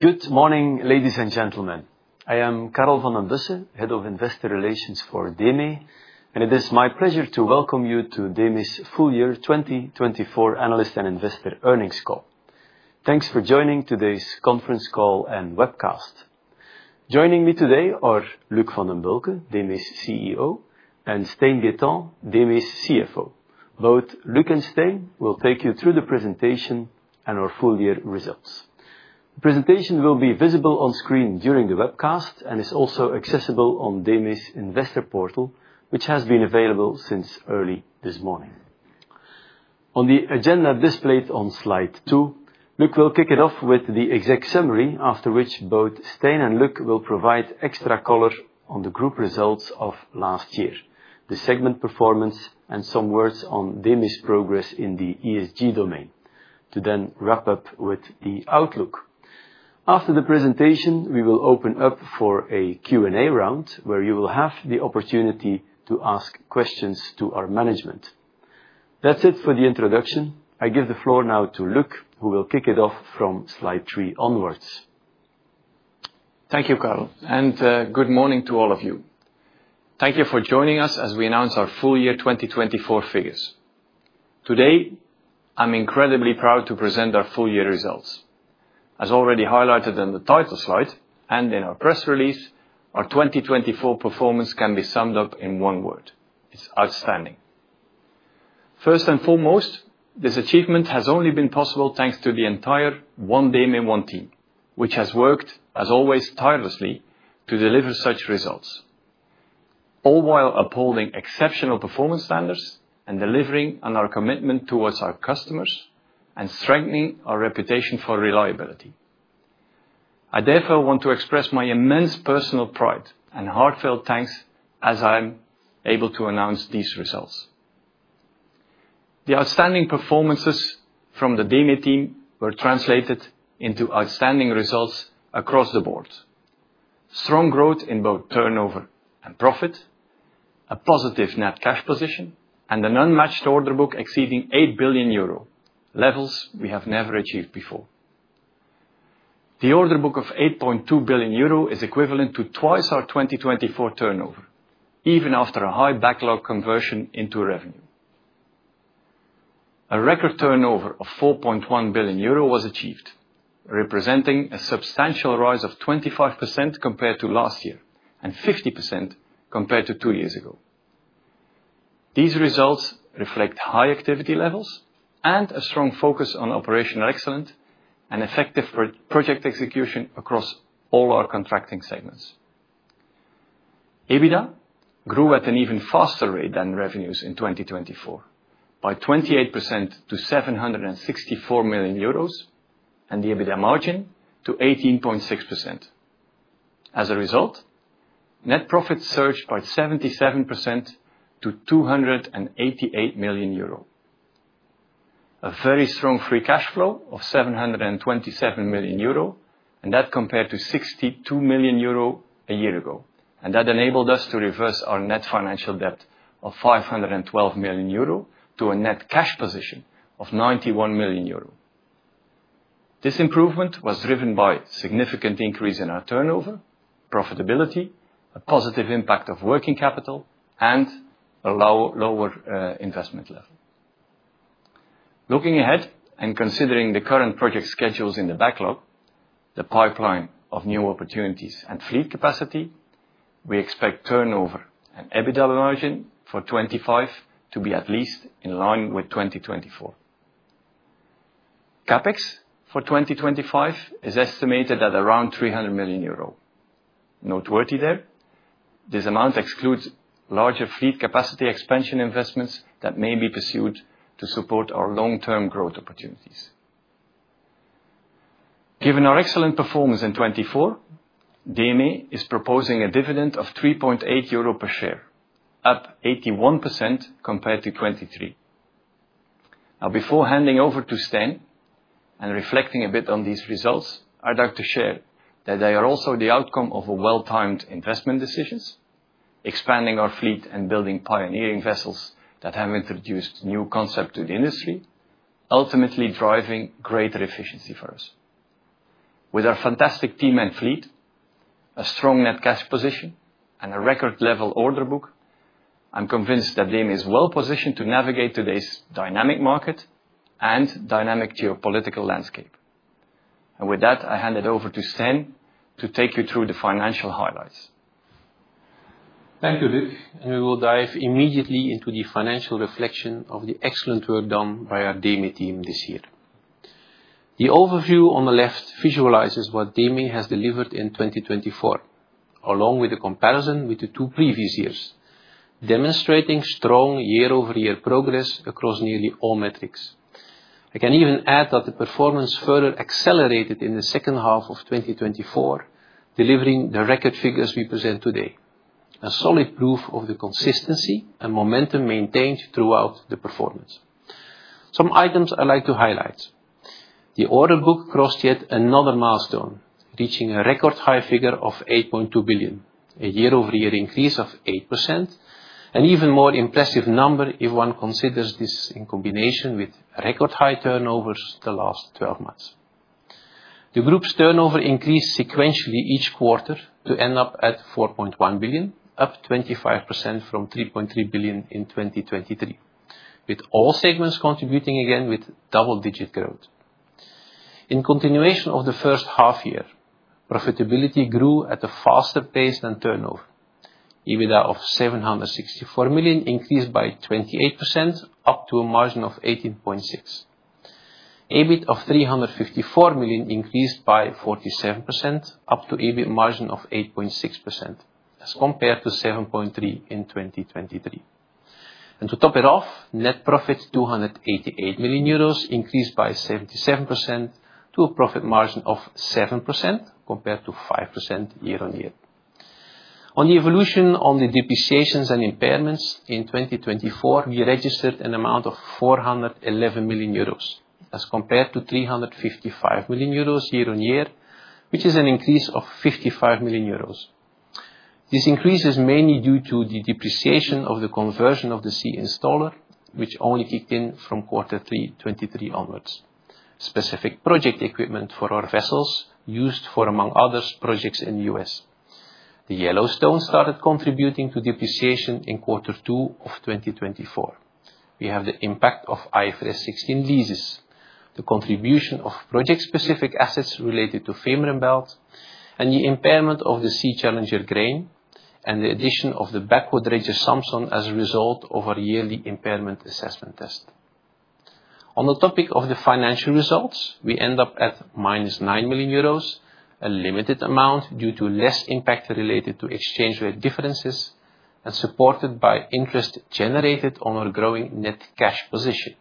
Good morning, ladies and gentlemen. I am Carl Vanden Bussche, Head of Investor Relations for DEME, and it is my pleasure to welcome you to DEME's full-year 2024 Analyst and Investor Earnings Call. Thanks for joining today's conference call and webcast. Joining me today are Luc Vandenbulcke, DEME's CEO, and Stijn Gaytant, DEME's CFO. Both Luc and Stijn will take you through the presentation and our full-year results. The presentation will be visible on screen during the webcast and is also accessible on DEME's investor portal, which has been available since early this morning. On the agenda displayed on slide two, Luc will kick it off with the exec summary, after which both Stijn and Luc will provide extra color on the group results of last year, the segment performance, and some words on DEME's progress in the ESG domain, to then wrap up with the outlook. After the presentation, we will open up for a Q&A round, where you will have the opportunity to ask questions to our management. That's it for the introduction. I give the floor now to Luc, who will kick it off from slide three onwards. Thank you, Carl, and good morning to all of you. Thank you for joining us as we announce our full-year 2024 figures. Today, I'm incredibly proud to present our full-year results. As already highlighted in the title slide and in our press release, our 2024 performance can be summed up in one word: it's outstanding. First and foremost, this achievement has only been possible thanks to the entire One DEME One team, which has worked, as always, tirelessly to deliver such results, all while upholding exceptional performance standards and delivering on our commitment towards our customers and strengthening our reputation for reliability. I therefore want to express my immense personal pride and heartfelt thanks as I'm able to announce these results. The outstanding performances from the DEME team were translated into outstanding results across the board: strong growth in both turnover and profit, a positive net cash position, and an unmatched order book exceeding 8 billion euro, levels we have never achieved before. The order book of 8.2 billion euro is equivalent to twice our 2024 turnover, even after a high backlog conversion into revenue. A record turnover of 4.1 billion euro was achieved, representing a substantial rise of 25% compared to last year and 50% compared to two years ago. These results reflect high activity levels and a strong focus on operational excellence and effective project execution across all our contracting segments. EBITDA grew at an even faster rate than revenues in 2024, by 28% to 764 million euros, and the EBITDA margin to 18.6%. As a result, net profit surged by 77% to 288 million euro, a very strong free cash flow of 727 million euro, and that compared to 62 million euro a year ago, and that enabled us to reverse our net financial debt of 512 million euro to a net cash position of 91 million euro. This improvement was driven by a significant increase in our turnover, profitability, a positive impact of working capital, and a lower investment level. Looking ahead and considering the current project schedules in the backlog, the pipeline of new opportunities and fleet capacity, we expect turnover and EBITDA margin for 2025 to be at least in line with 2024. CapEx for 2025 is estimated at around 300 million euro. Noteworthy there, this amount excludes larger fleet capacity expansion investments that may be pursued to support our long-term growth opportunities. Given our excellent performance in 2024, DEME is proposing a dividend of 3.8 euro per share, up 81% compared to 2023. Now, before handing over to Stijn and reflecting a bit on these results, I'd like to share that they are also the outcome of well-timed investment decisions, expanding our fleet and building pioneering vessels that have introduced new concepts to the industry, ultimately driving greater efficiency for us. With our fantastic team and fleet, a strong net cash position, and a record-level order book, I'm convinced that DEME is well-positioned to navigate today's dynamic market and dynamic geopolitical landscape, and with that, I hand it over to Stijn to take you through the financial highlights. Thank you, Luc, and we will dive immediately into the financial reflection of the excellent work done by our DEME team this year. The overview on the left visualizes what DEME has delivered in 2024, along with a comparison with the two previous years, demonstrating strong year-over-year progress across nearly all metrics. I can even add that the performance further accelerated in the second half of 2024, delivering the record figures we present today, a solid proof of the consistency and momentum maintained throughout the performance. Some items I'd like to highlight: the order book crossed yet another milestone, reaching a record-high figure of 8.2 billion, a year-over-year increase of 8%, an even more impressive number if one considers this in combination with record-high turnovers the last 12 months. The group's turnover increased sequentially each quarter to end up at €4.1 billion, up 25% from €3.3 billion in 2023, with all segments contributing again with double-digit growth. In continuation of the first half-year, profitability grew at a faster pace than turnover. EBITDA of €764 million increased by 28%, up to a margin of 18.6%. EBIT of €354 million increased by 47%, up to a margin of 8.6%, as compared to 7.3% in 2023, and to top it off, net profit €288 million increased by 77% to a profit margin of 7%, compared to 5% year-on-year. On the evolution of the depreciations and impairments in 2024, we registered an amount of €411 million as compared to €355 million year-on-year, which is an increase of €55 million. This increase is mainly due to the depreciation of the conversion of the Sea Installer, which only kicked in from quarter three 2023 onwards. Specific project equipment for our vessels used for, among others, projects in the U.S. The Yellowstone started contributing to depreciation in quarter two of 2024. We have the impact of IFRS 16 leases, the contribution of project-specific assets related to Fehmarnbelt, and the impairment of the Sea Challenger monopile, and the addition of the backhoe dredger Samson as a result of our yearly impairment assessment test. On the topic of the financial results, we end up at 9 million euros, a limited amount due to less impact related to exchange rate differences and supported by interest generated on our growing net cash position.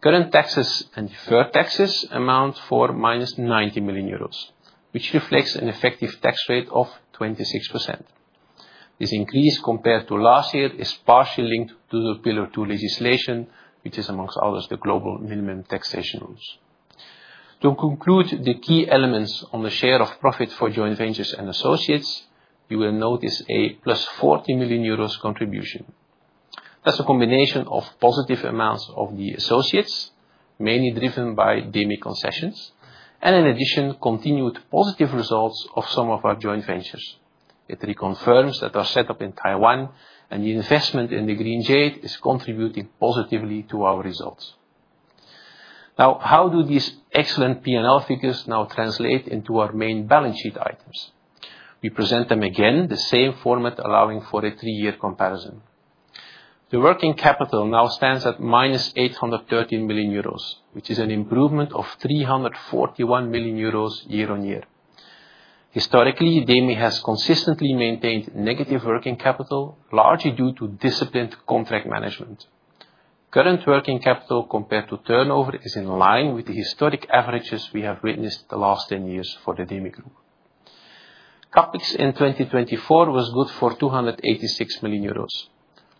Current taxes and deferred taxes amount to 90 million euros, which reflects an effective tax rate of 26%. This increase, compared to last year, is partially linked to the Pillar Two legislation, which is, among others, the global minimum taxation rules. To conclude the key elements on the share of profit for joint ventures and associates, you will notice a 40 million euros contribution. That's a combination of positive amounts of the associates, mainly driven by DEME Concessions, and, in addition, continued positive results of some of our joint ventures. It reconfirms that our setup in Taiwan and the investment in the Green Jade is contributing positively to our results. Now, how do these excellent P&L figures now translate into our main balance sheet items? We present them again in the same format, allowing for a three-year comparison. The working capital now stands at 813 million euros, which is an improvement of 341 million euros year-on-year. Historically, DEME has consistently maintained negative working capital, largely due to disciplined contract management. Current working capital compared to turnover is in line with the historic averages we have witnessed the last 10 years for the DEME Group. CapEx in 2024 was good for 286 million euros,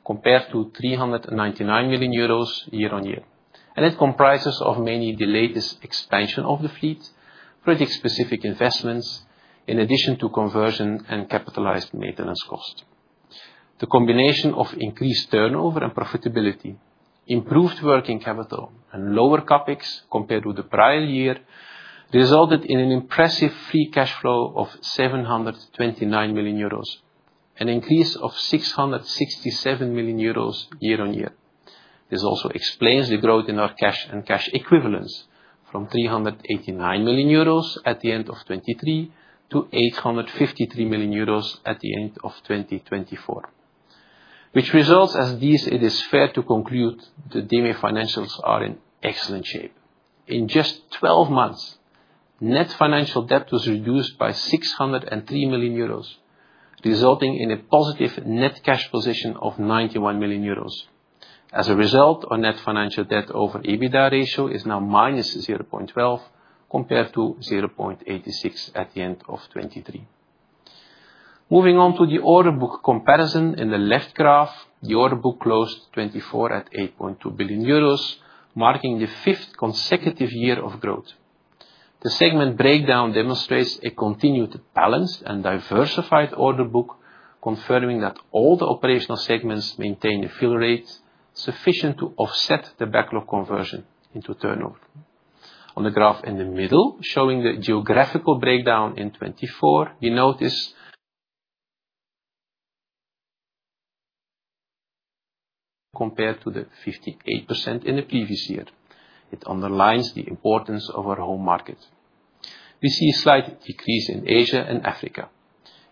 compared to 399 million euros year-on-year, and it comprises of mainly the latest expansion of the fleet, project-specific investments, in addition to conversion and capitalized maintenance costs. The combination of increased turnover and profitability, improved working capital, and lower CapEx compared with the prior year resulted in an impressive free cash flow of 729 million euros, an increase of 667 million euros year-on-year. This also explains the growth in our cash and cash equivalents from 389 million euros at the end of 2023 to 853 million euros at the end of 2024. Which results as these, it is fair to conclude the DEME financials are in excellent shape. In just 12 months, net financial debt was reduced by 603 million euros, resulting in a positive net cash position of 91 million euros. As a result, our net financial debt over EBITDA ratio is now minus 0.12 compared to 0.86 at the end of 2023. Moving on to the order book comparison in the left graph, the order book closed 2024 at €8.2 billion, marking the fifth consecutive year of growth. The segment breakdown demonstrates a continued balanced and diversified order book, confirming that all the operational segments maintain a fill rate sufficient to offset the backlog conversion into turnover. On the graph in the middle, showing the geographical breakdown in 2024, we notice, compared to the 58% in the previous year, it underlines the importance of our home market. We see a slight decrease in Asia and Africa.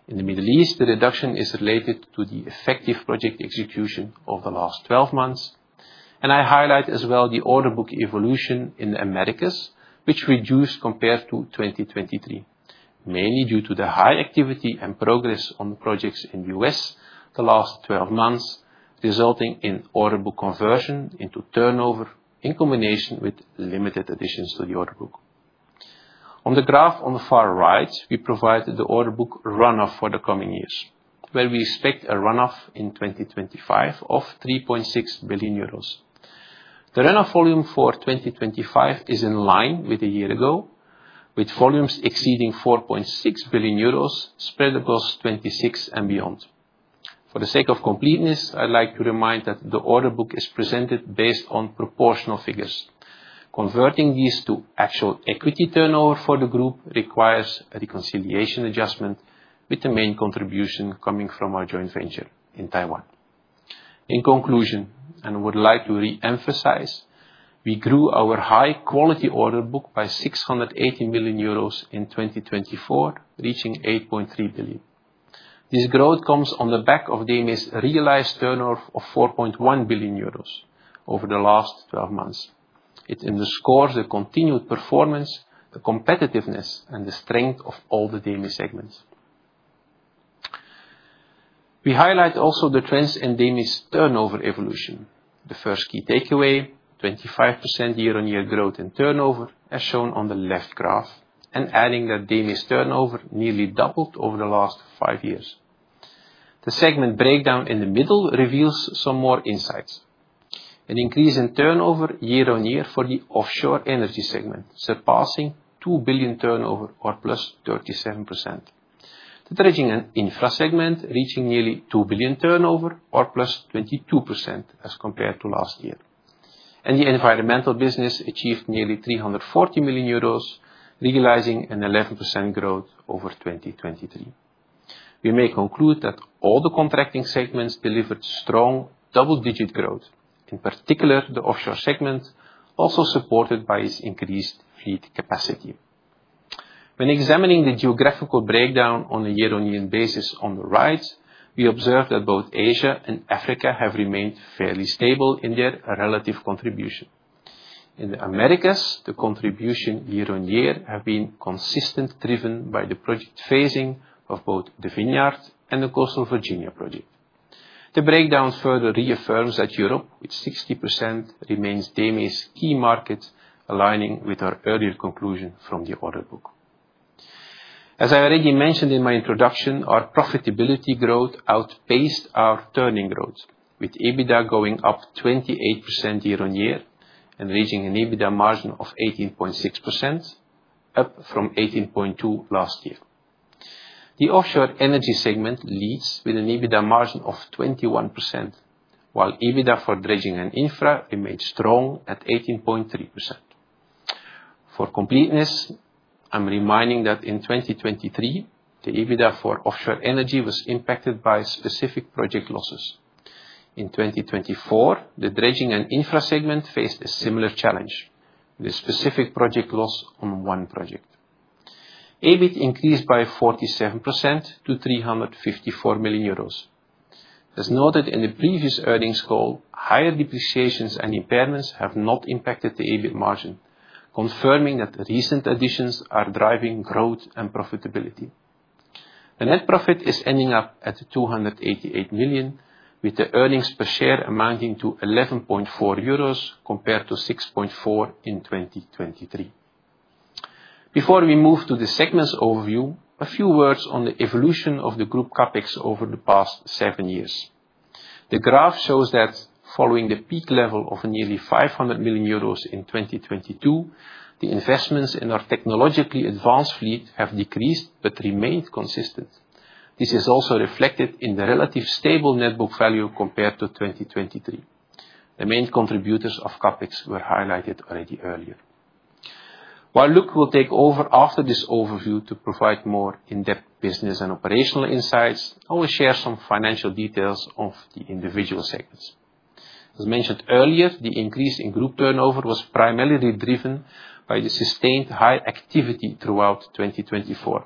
In the Middle East, the reduction is related to the effective project execution of the last 12 months. I highlight as well the order book evolution in the Americas, which reduced compared to 2023, mainly due to the high activity and progress on the projects in the US the last 12 months, resulting in order book conversion into turnover in combination with limited additions to the order book. On the graph on the far right, we provide the order book runoff for the coming years, where we expect a runoff in 2025 of 3.6 billion euros. The runoff volume for 2025 is in line with a year ago, with volumes exceeding 4.6 billion euros, spread across 2026 and beyond. For the sake of completeness, I'd like to remind that the order book is presented based on proportional figures. Converting these to actual equity turnover for the group requires a reconciliation adjustment, with the main contribution coming from our joint venture in Taiwan. In conclusion, and I would like to re-emphasize, we grew our high-quality order book by € 680 million in 2024, reaching € 8.3 billion. This growth comes on the back of DEME's realized turnover of € 4.1 billion over the last 12 months. It underscores the continued performance, the competitiveness, and the strength of all the DEME segments. We highlight also the trends in DEME's turnover evolution. The first key takeaway: 25% year-on-year growth in turnover, as shown on the left graph, and adding that DEME's turnover nearly doubled over the last five years. The segment breakdown in the middle reveals some more insights: an increase in turnover year-on-year for the Offshore Energy segment, surpassing € 2 billion turnover, or plus 37%. The trading and infra segment reaching nearly € 2 billion turnover, or plus 22% as compared to last year, and the Environmental business achieved nearly € 340 million, realizing an 11% growth over 2023. We may conclude that all the contracting segments delivered strong double-digit growth, in particular the offshore segment, also supported by its increased fleet capacity. When examining the geographical breakdown on a year-on-year basis on the right, we observe that both Asia and Africa have remained fairly stable in their relative contribution. In the Americas, the contribution year-on-year has been consistently driven by the project phasing of both the Vineyard Wind and the Coastal Virginia Offshore Wind project. The breakdown further reaffirms that Europe, with 60%, remains DEME's key market, aligning with our earlier conclusion from the order book. As I already mentioned in my introduction, our profitability growth outpaced our turnover growth, with EBITDA going up 28% year-on-year and reaching an EBITDA margin of 18.6%, up from 18.2% last year. The Offshore Energy segment leads with an EBITDA margin of 21%, while EBITDA for Dredging & Infra remained strong at 18.3%. For completeness, I'm reminding that in 2023, the EBITDA for Offshore Energy was impacted by specific project losses. In 2024, the Dredging & Infra segment faced a similar challenge, with a specific project loss on one project. EBIT increased by 47% to € 354 million. As noted in the previous earnings call, higher depreciations and impairments have not impacted the EBIT margin, confirming that recent additions are driving growth and profitability. The net profit is ending up at € 288 million, with the earnings per share amounting to € 11.4 compared to € 6.4 in 2023. Before we move to the segments overview, a few words on the evolution of the group CapEx over the past seven years. The graph shows that following the peak level of nearly € 500 million in 2022, the investments in our technologically advanced fleet have decreased but remained consistent. This is also reflected in the relatively stable net book value compared to 2023. The main contributors of CAPEX were highlighted already earlier. While Luc will take over after this overview to provide more in-depth business and operational insights, I will share some financial details of the individual segments. As mentioned earlier, the increase in group turnover was primarily driven by the sustained high activity throughout 2024.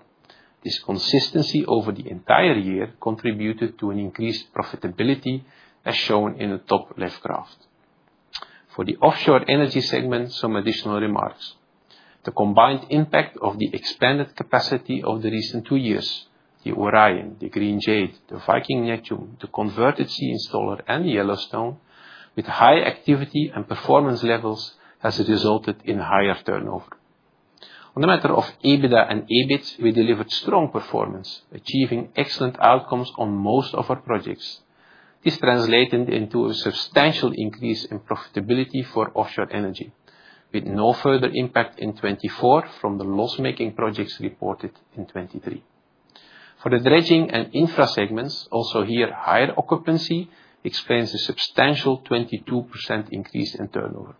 This consistency over the entire year contributed to an increased profitability, as shown in the top left graph. For the Offshore Energy segment, some additional remarks: the combined impact of the expanded capacity of the recent two years, the Orion, the Green Jade, the Viking Neptune, the converted Sea Installer, and the Yellowstone, with high activity and performance levels, has resulted in higher turnover. On the matter of EBITDA and EBIT, we delivered strong performance, achieving excellent outcomes on most of our projects. This translated into a substantial increase in profitability for offshore energy, with no further impact in 2024 from the loss-making projects reported in 2023. For the Dredging & Infra segments, also here, higher occupancy explains the substantial 22% increase in turnover.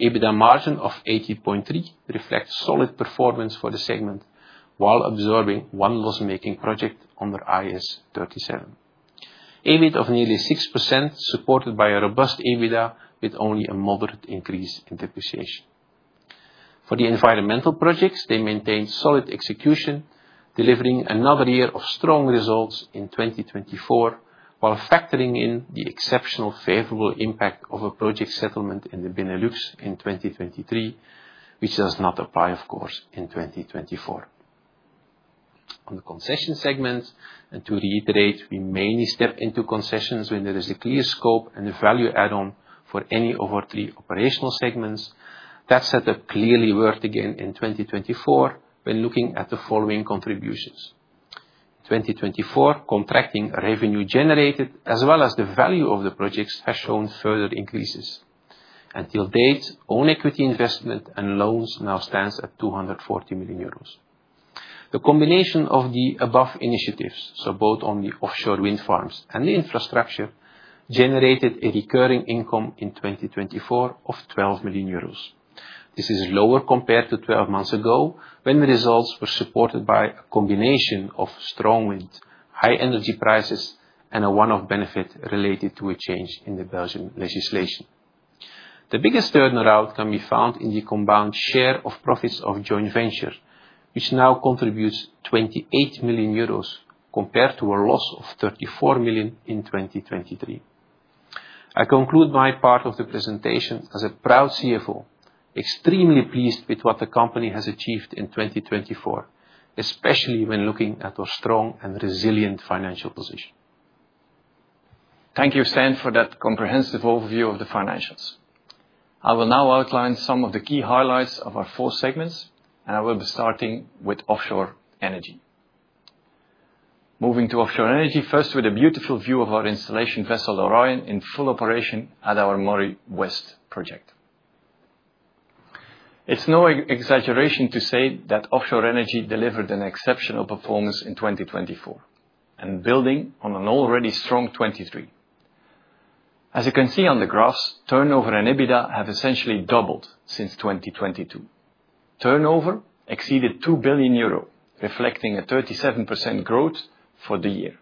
EBITDA margin of 18.3% reflects solid performance for the segment, while absorbing one loss-making project under IAS 37. EBIT of nearly 6% supported by a robust EBITDA, with only a moderate increase in depreciation. For the Environmental projects, they maintained solid execution, delivering another year of strong results in 2024, while factoring in the exceptional favorable impact of a project settlement in the Benelux in 2023, which does not apply, of course, in 2024. On the concession segment, and to reiterate, we mainly step into Concessions when there is a clear scope and a value add-on for any of our three operational segments. That setup clearly worked again in 2024 when looking at the following contributions. In 2024, contracting revenue generated, as well as the value of the projects, has shown further increases. To date, own equity investment and loans now stand at € 240 million. The combination of the above initiatives, so both on the offshore wind farms and the infrastructure, generated a recurring income in 2024 of € 12 million. This is lower compared to 12 months ago, when the results were supported by a combination of strong wind, high energy prices, and a one-off benefit related to a change in the Belgian legislation. The biggest turnaround can be found in the combined share of profits of joint venture, which now contributes € 28 million compared to a loss of € 34 million in 2023. I conclude my part of the presentation as a proud CFO, extremely pleased with what the company has achieved in 2024, especially when looking at our strong and resilient financial position. Thank you, Stijn, for that comprehensive overview of the financials. I will now outline some of the key highlights of our four segments, and I will be starting with offshore energy. Moving to Offshore Energy first, with a beautiful view of our installation vessel Orion in full operation at our Moray West project. It's no exaggeration to say that Offshore Energy delivered an exceptional performance in 2024, and building on an already strong 2023. As you can see on the graphs, turnover and EBITDA have essentially doubled since 2022. Turnover exceeded 2 billion euro, reflecting a 37% growth for the year,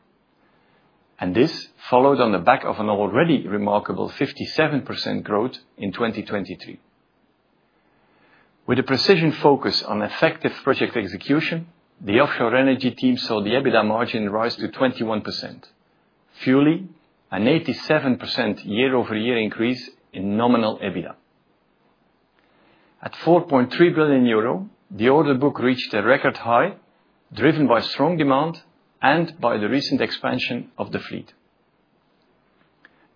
and this followed on the back of an already remarkable 57% growth in 2023. With a precision focus on effective project execution, the Offshore Energy team saw the EBITDA margin rise to 21%, fueling an 87% year-over-year increase in nominal EBITDA. At €4.3 billion, the order book reached a record high, driven by strong demand and by the recent expansion of the fleet.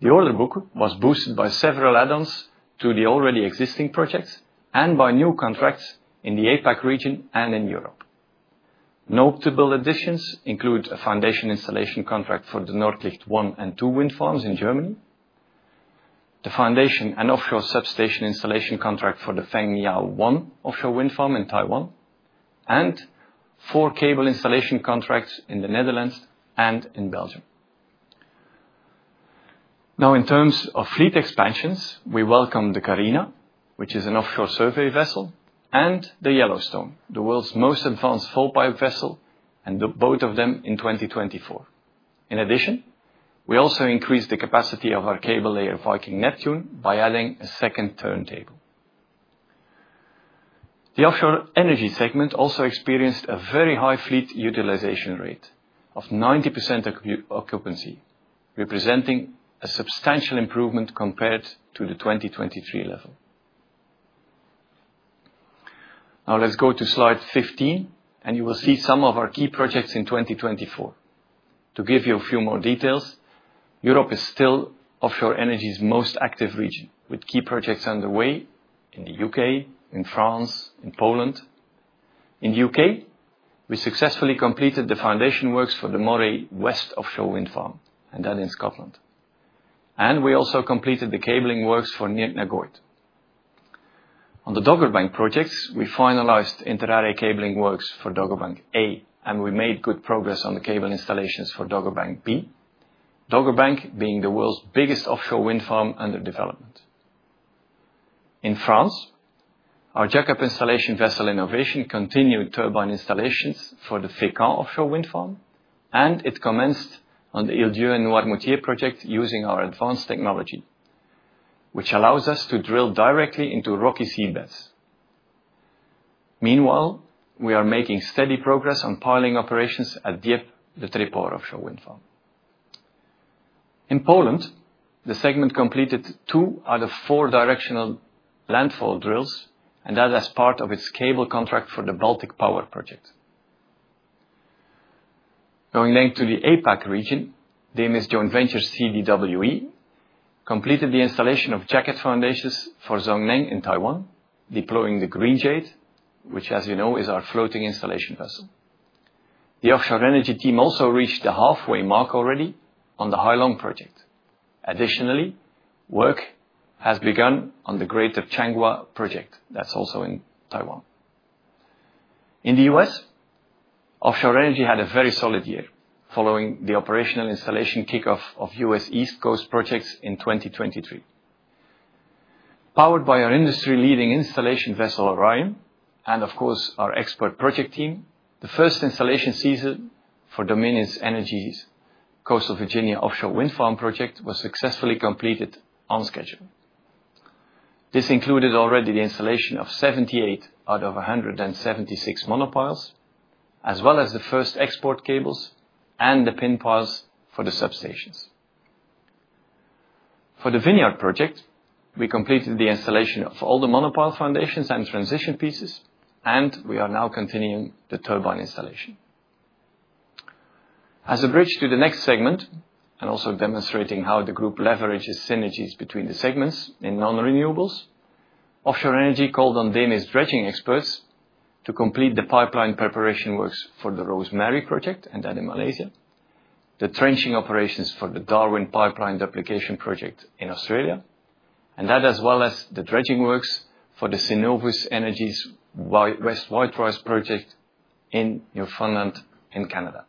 The order book was boosted by several add-ons to the already existing projects and by new contracts in the APAC region and in Europe. Notable additions include a foundation installation contract for the Nordlicht 1 and 2 wind farms in Germany, the foundation and offshore substation installation contract for the Feng Miao 1 offshore wind farm in Taiwan, and four cable installation contracts in the Netherlands and in Belgium. Now, in terms of fleet expansions, we welcome the Carina, which is an offshore survey vessel, and the Yellowstone, the world's most advanced fall-pipe vessel, and both of them in 2024. In addition, we also increased the capacity of our cable layer Viking Neptune by adding a second turntable. The Offshore Energy segment also experienced a very high fleet utilization rate of 90% occupancy, representing a substantial improvement compared to the 2023 level. Now, let's go to slide 15, and you will see some of our key projects in 2024. To give you a few more details, Europe is still offshore energy's most active region, with key projects underway in the UK, in France, in Poland. In the UK, we successfully completed the foundation works for the Moray West offshore wind farm, and that in Scotland. And we also completed the cabling works for Nürnberg. On the Dogger Bank projects, we finalized inter-array cabling works for Dogger Bank A, and we made good progress on the cable installations for Dogger Bank B, Dogger Bank being the world's biggest offshore wind farm under development. In France, our jack-up installation vessel Innovation continued turbine installations for the Fécamp offshore wind farm, and it commenced on the Îles d'Yeu et de Noirmoutier project using our advanced technology, which allows us to drill directly into rocky seabeds. Meanwhile, we are making steady progress on piling operations at Dieppe-Le Tréport offshore wind farm. In Poland, the segment completed two out of four directional landfall drills, and that as part of its cable contract for the Baltic Power project. Going then to the APAC region, DEME's joint venture CDWE completed the installation of jacket foundations for Zhong Neng in Taiwan, deploying the Green Jade, which, as you know, is our floating installation vessel. The Offshore Energy team also reached the halfway mark already on the Hai Long project. Additionally, work has begun on the Greater Changhua project that's also in Taiwan. In the U.S., Offshore Energy had a very solid year following the operational installation kickoff of U.S. East Coast projects in 2023. Powered by our industry-leading installation vessel Orion and, of course, our expert project team, the first installation season for Dominion Energy's Coastal Virginia Offshore Wind project was successfully completed on schedule. This included already the installation of 78 out of 176 monopiles, as well as the first export cables and the pin piles for the substations. For the Vineyard Wind project, we completed the installation of all the monopile foundations and transition pieces, and we are now continuing the turbine installation. As a bridge to the next segment, and also demonstrating how the group leverages synergies between the segments in non-renewables, Offshore Energy called on DEME's dredging experts to complete the pipeline preparation works for the Rosmari project and that in Malaysia, the trenching operations for the Darwin pipeline duplication project in Australia, and that as well as the dredging works for the Cenovus Energy's West White Rose project in Newfoundland and Canada.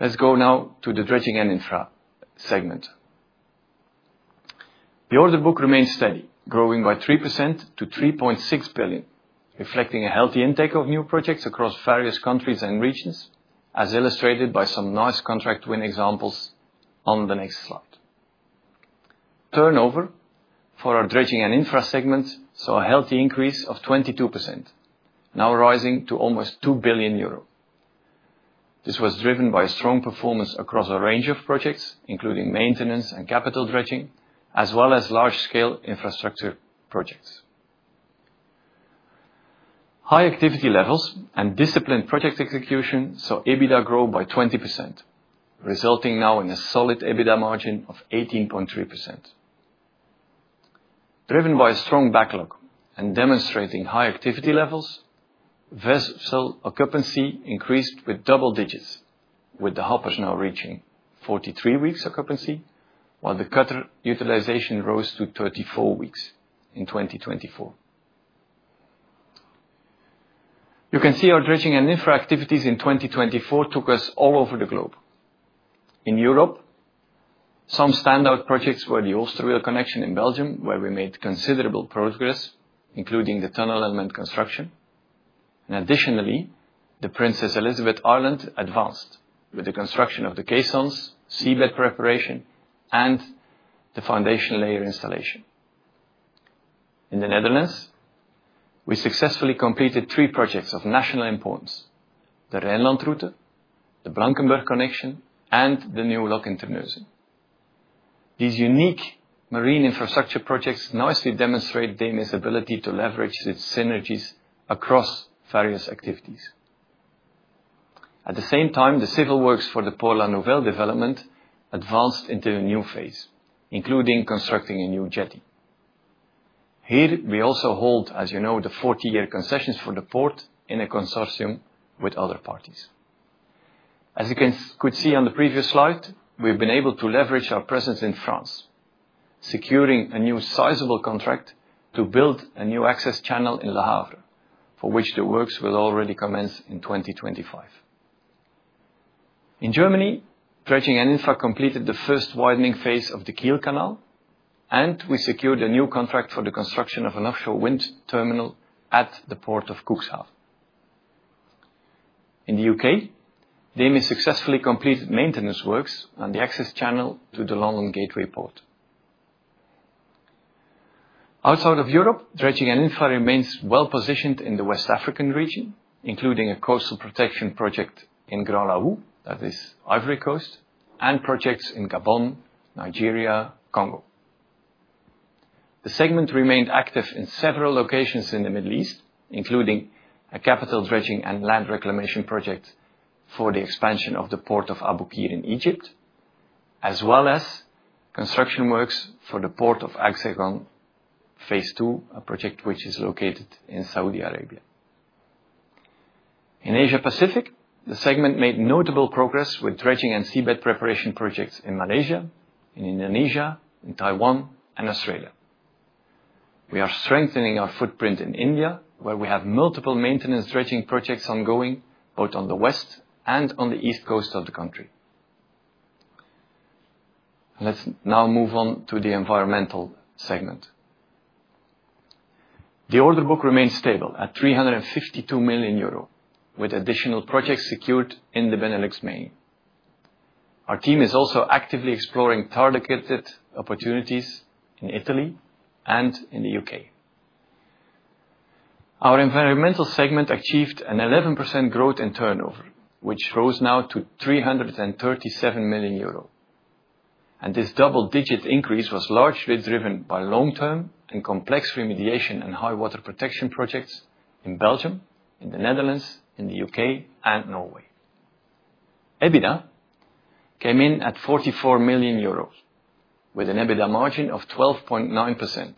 Let's go now to the Dredging & Infra segment. The order book remains steady, growing by 3% to 3.6 billion, reflecting a healthy intake of new projects across various countries and regions, as illustrated by some nice contract win examples on the next slide. Turnover for our Dredging & Infra segments saw a healthy increase of 22%, now rising to almost 2 billion euro. This was driven by strong performance across a range of projects, including maintenance and capital dredging, as well as large-scale infrastructure projects. High activity levels and disciplined project execution saw EBITDA grow by 20%, resulting now in a solid EBITDA margin of 18.3%. Driven by a strong backlog and demonstrating high activity levels, vessel occupancy increased with double digits, with the hoppers now reaching 43 weeks occupancy, while the cutter utilization rose to 34 weeks in 2024. You can see our Dredging & Infra activities in 2024 took us all over the globe. In Europe, some standout projects were the Oosterweel in Belgium, where we made considerable progress, including the tunnel element construction. And additionally, the Princess Elisabeth Island advanced with the construction of the caissons, seabed preparation, and the foundation layer installation. In the Netherlands, we successfully completed three projects of national importance: the RijnlandRoute, the Blankenburg connection, and the New Lock in Terneuzen. These unique marine infrastructure projects nicely demonstrate DEME's ability to leverage its synergies across various activities. At the same time, the civil works for the Port-La Nouvelle development advanced into a new phase, including constructing a new jetty. Here, we also hold, as you know, the 40-year Concessions for the port in a consortium with other parties. As you could see on the previous slide, we've been able to leverage our presence in France, securing a new sizable contract to build a new access channel in Le Havre, for which the works will already commence in 2025. In Germany, Dredging & Infra completed the first widening phase of the Kiel Canal, and we secured a new contract for the construction of an offshore wind terminal at the port of Cuxhaven. In the U.K., DEME successfully completed maintenance works on the access channel to the London Gateway port. Outside of Europe, Dredging & Infra remains well positioned in the West African region, including a coastal protection project in Grand-Lahou, that is Ivory Coast, and projects in Gabon, Nigeria, Congo. The segment remained active in several locations in the Middle East, including a capital dredging and land reclamation project for the expansion of the port of Abu Qir in Egypt, as well as construction works for the port of Oxagon Phase II, a project which is located in Saudi Arabia. In Asia-Pacific, the segment made notable progress with dredging and seabed preparation projects in Malaysia, in Indonesia, in Taiwan, and Australia. We are strengthening our footprint in India, where we have multiple maintenance dredging projects ongoing both on the West and on the East Coast of the country. Let's now move on to the Environmental segment. The order book remains stable at € 352 million, with additional projects secured in the Benelux mainland. Our team is also actively exploring targeted opportunities in Italy and in the U.K. Our Environmental segment achieved an 11% growth in turnover, which rose now to € 337 million, and this double-digit increase was largely driven by long-term and complex remediation and high-water protection projects in Belgium, in the Netherlands, in the U.K., and Norway. EBITDA came in at € 44 million, with an EBITDA margin of 12.9%,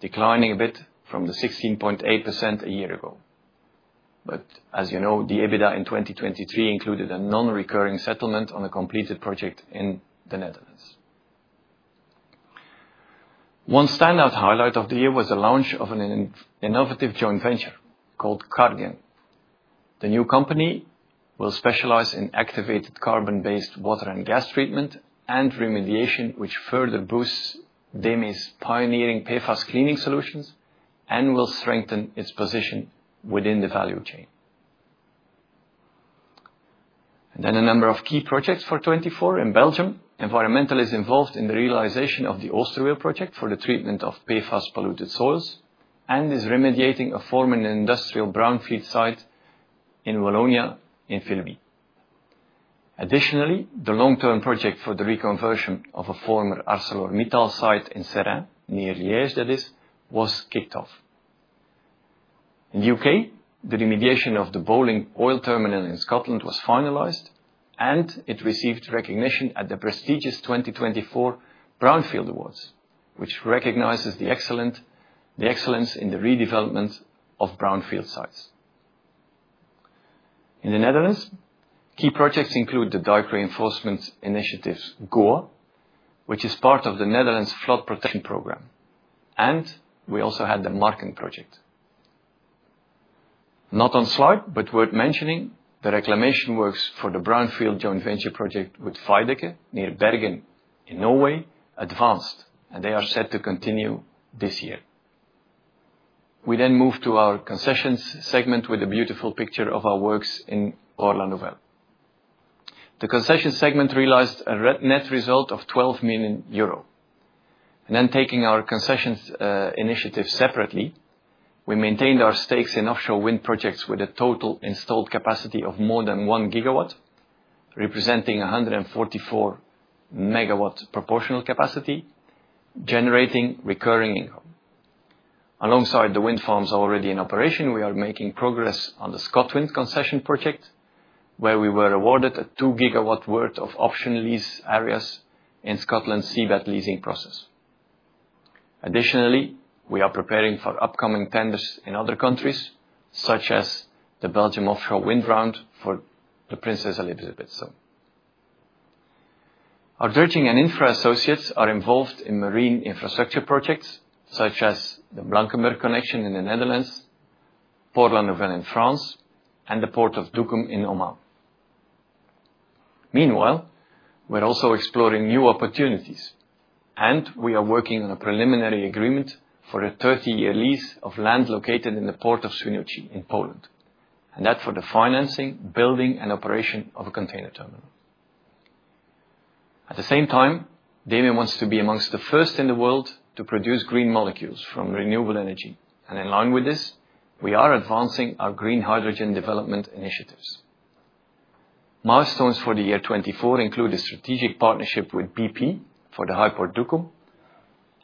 declining a bit from the 16.8% a year ago. But as you know, the EBITDA in 2023 included a non-recurring settlement on a completed project in the Netherlands. One standout highlight of the year was the launch of an innovative joint venture called CarGen. The new company will specialize in activated carbon-based water and gas treatment and remediation, which further boosts DEME's pioneering PFAS cleaning solutions and will strengthen its position within the value chain. And then a number of key projects for 2024 in Belgium. Environmental is involved in the realization of the Oosterweel project for the treatment of PFAS-polluted soils and is remediating a former industrial brownfield site in Wallonia in Fleurus. Additionally, the long-term project for the reconversion of a former ArcelorMittal site in Seraing, near Liège, was kicked off. In the U.K., the remediation of the Bowling Oil Terminal in Scotland was finalized, and it received recognition at the prestigious 2024 Brownfield Awards, which recognizes the excellence in the redevelopment of brownfield sites. In the Netherlands, key projects include the dike reinforcement initiatives Goeree, which is part of the Netherlands Flood Protection Program, and we also had the Marken project. Not on slide, but worth mentioning, the reclamation works for the Brownfield Joint Venture Project with Veidekke near Bergen in Norway advanced, and they are set to continue this year. We then move to our Concessions segment with a beautiful picture of our works in Port-La Nouvelle. The concession segment realized a net result of €12 million. And then taking our Concessions initiative separately, we maintained our stakes in offshore wind projects with a total installed capacity of more than one gigawatt, representing 144-megawatt proportional capacity, generating recurring income. Alongside the wind farms already in operation, we are making progress on the ScotWind concession project, where we were awarded a two-gigawatt worth of optional lease areas in Scotland's seabed leasing process. Additionally, we are preparing for upcoming tenders in other countries, such as the Belgium Offshore Wind Round for the Princess Elisabeth. Our Dredging & Infra associates are involved in marine infrastructure projects, such as the Blankenburg Connection in the Netherlands, Port-La Nouvelle in France, and the Port of Duqm in Oman. Meanwhile, we're also exploring new opportunities, and we are working on a preliminary agreement for a 30-year lease of land located in the port of Swinoujscie in Poland, and that for the financing, building, and operation of a container terminal. At the same time, DEME wants to be amongst the first in the world to produce green molecules from renewable energy, and in line with this, we are advancing our green hydrogen development initiatives. Milestones for the year 2024 include a strategic partnership with BP for the Hyport Duqm,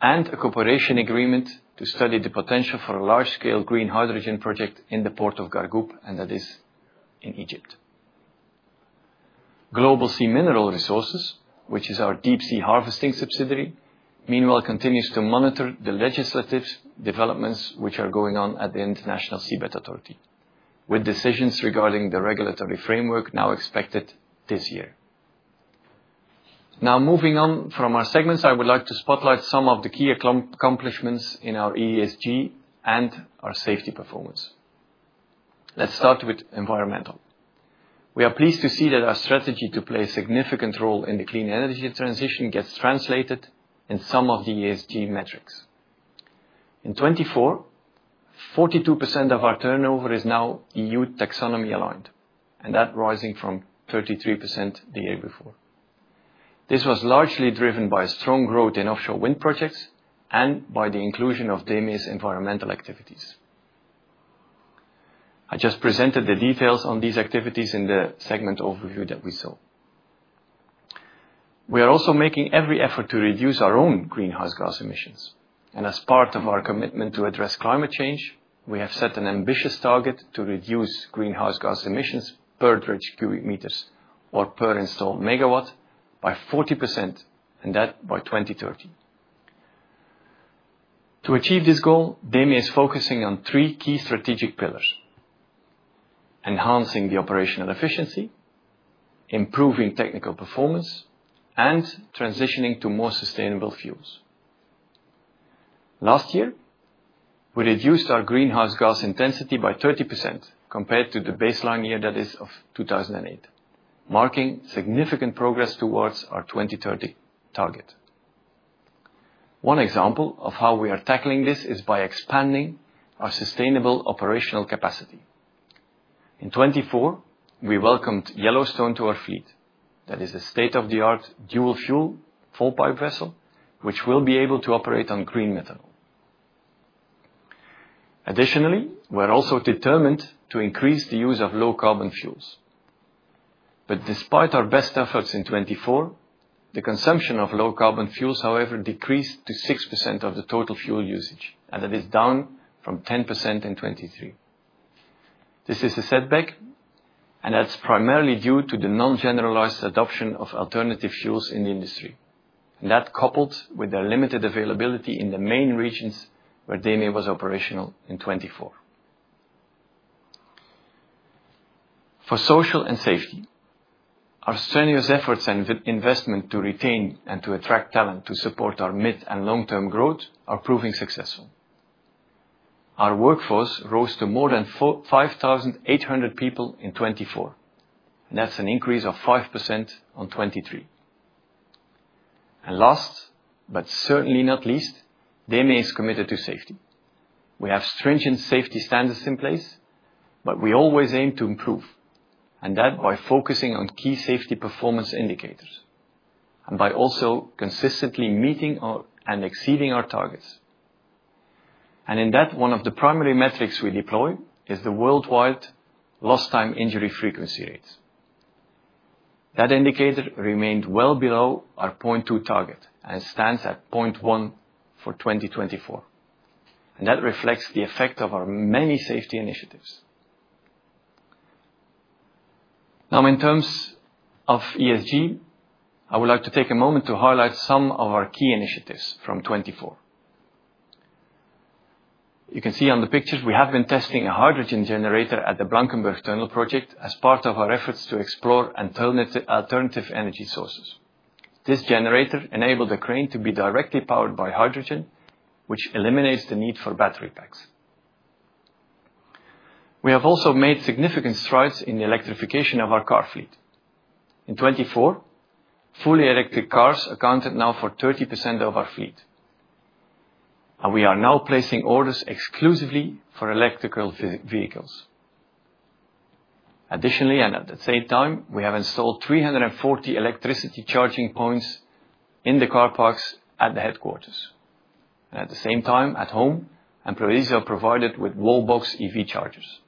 and a cooperation agreement to study the potential for a large-scale green hydrogen project in the port of Gargoub, and that is in Egypt. Global Sea Mineral Resources, which is our deep-sea harvesting subsidiary, meanwhile continues to monitor the legislative developments which are going on at the International Seabed Authority, with decisions regarding the regulatory framework now expected this year. Now moving on from our segments, I would like to spotlight some of the key accomplishments in our ESG and our safety performance. Let's start with Environmental. We are pleased to see that our strategy to play a significant role in the clean energy transition gets translated in some of the ESG metrics. In 2024, 42% of our turnover is now EU Taxonomy aligned, and that's rising from 33% the year before. This was largely driven by strong growth in offshore wind projects and by the inclusion of DEME's Environmental activities. I just presented the details on these activities in the segment overview that we saw. We are also making every effort to reduce our own greenhouse gas emissions, and as part of our commitment to address climate change, we have set an ambitious target to reduce greenhouse gas emissions per dredged cubic meters or per installed megawatt by 40%, and that by 2030. To achieve this goal, DEME is focusing on three key strategic pillars: enhancing the operational efficiency, improving technical performance, and transitioning to more sustainable fuels. Last year, we reduced our greenhouse gas intensity by 30% compared to the baseline year, that is, of 2008, marking significant progress towards our 2030 target. One example of how we are tackling this is by expanding our sustainable operational capacity. In 2024, we welcomed Yellowstone to our fleet, that is, a state-of-the-art dual-fuel fall-pipe vessel, which will be able to operate on green methanol. Additionally, we're also determined to increase the use of low-carbon fuels. But despite our best efforts in 2024, the consumption of low-carbon fuels, however, decreased to 6% of the total fuel usage, and that is down from 10% in 2023. This is a setback, and that's primarily due to the non-generalized adoption of alternative fuels in the industry, and that coupled with their limited availability in the main regions where DEME was operational in 2024. For social and safety, our strenuous efforts and investment to retain and to attract talent to support our mid and long-term growth are proving successful. Our workforce rose to more than 5,800 people in 2024, and that's an increase of 5% on 2023. And last, but certainly not least, DEME is committed to safety. We have stringent safety standards in place, but we always aim to improve, and that by focusing on key safety performance indicators and by also consistently meeting and exceeding our targets. In that, one of the primary metrics we deploy is the worldwide lost-time injury frequency rates. That indicator remained well below our 0.2 target and stands at 0.1 for 2024, and that reflects the effect of our many safety initiatives. Now, in terms of ESG, I would like to take a moment to highlight some of our key initiatives from 2024. You can see on the pictures we have been testing a hydrogen generator at the Blankenburg Tunnel Project as part of our efforts to explore alternative energy sources. This generator enabled a crane to be directly powered by hydrogen, which eliminates the need for battery packs. We have also made significant strides in the electrification of our car fleet. In 2024, fully electric cars accounted now for 30% of our fleet, and we are now placing orders exclusively for electric vehicles. Additionally, and at the same time, we have installed 340 electricity charging points in the car parks at the headquarters, and at the same time, at home, employees are provided with Wallbox EV chargers.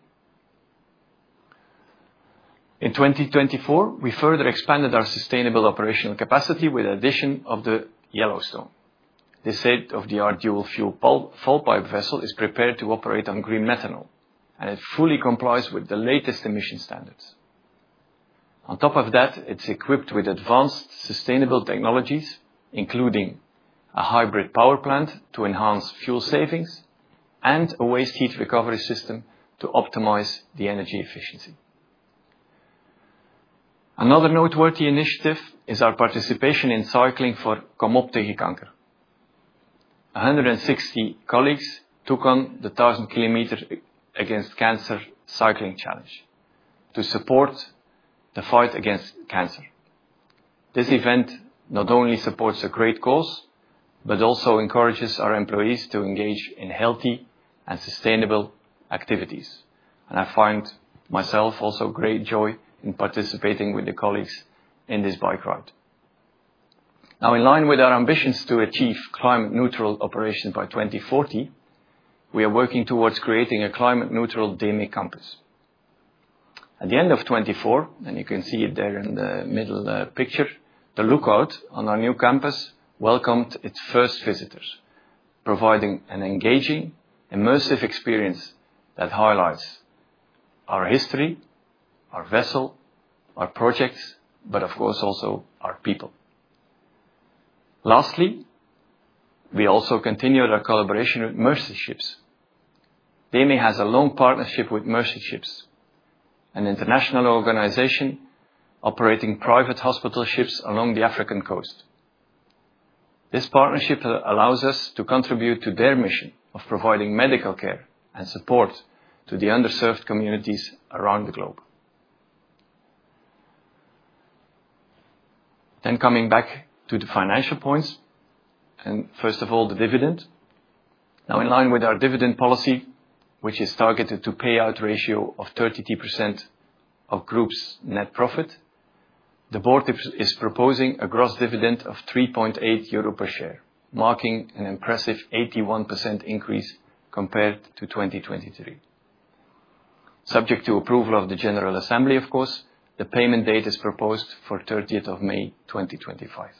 In 2024, we further expanded our sustainable operational capacity with the addition of the Yellowstone. This state-of-the-art dual-fuel fall-pipe vessel is prepared to operate on green methanol, and it fully complies with the latest emission standards. On top of that, it's equipped with advanced sustainable technologies, including a hybrid power plant to enhance fuel savings and a waste heat recovery system to optimize the energy efficiency. Another noteworthy initiative is our participation in cycling for Kom op tegen Kanker. 160 colleagues took on the 1,000-kilometer Against Cancer Cycling Challenge to support the fight against cancer. This event not only supports a great cause, but also encourages our employees to engage in healthy and sustainable activities. I find myself also great joy in participating with the colleagues in this bike ride. Now, in line with our ambitions to achieve climate-neutral operations by 2040, we are working towards creating a climate-neutral DEME campus. At the end of 2024, and you can see it there in the middle picture, the Lookout on our new campus welcomed its first visitors, providing an engaging, immersive experience that highlights our history, our vessel, our projects, but of course, also our people. Lastly, we also continue our collaboration with Mercy Ships. DEME has a long partnership with Mercy Ships, an international organization operating private hospital ships along the African coast. This partnership allows us to contribute to their mission of providing medical care and support to the underserved communities around the globe. Then coming back to the financial points, and first of all, the dividend. Now, in line with our dividend policy, which is targeted to pay out a ratio of 32% of group's net profit, the board is proposing a gross dividend of 3.8 euro per share, marking an impressive 81% increase compared to 2023. Subject to approval of the General Assembly, of course, the payment date is proposed for 30th of May 2025.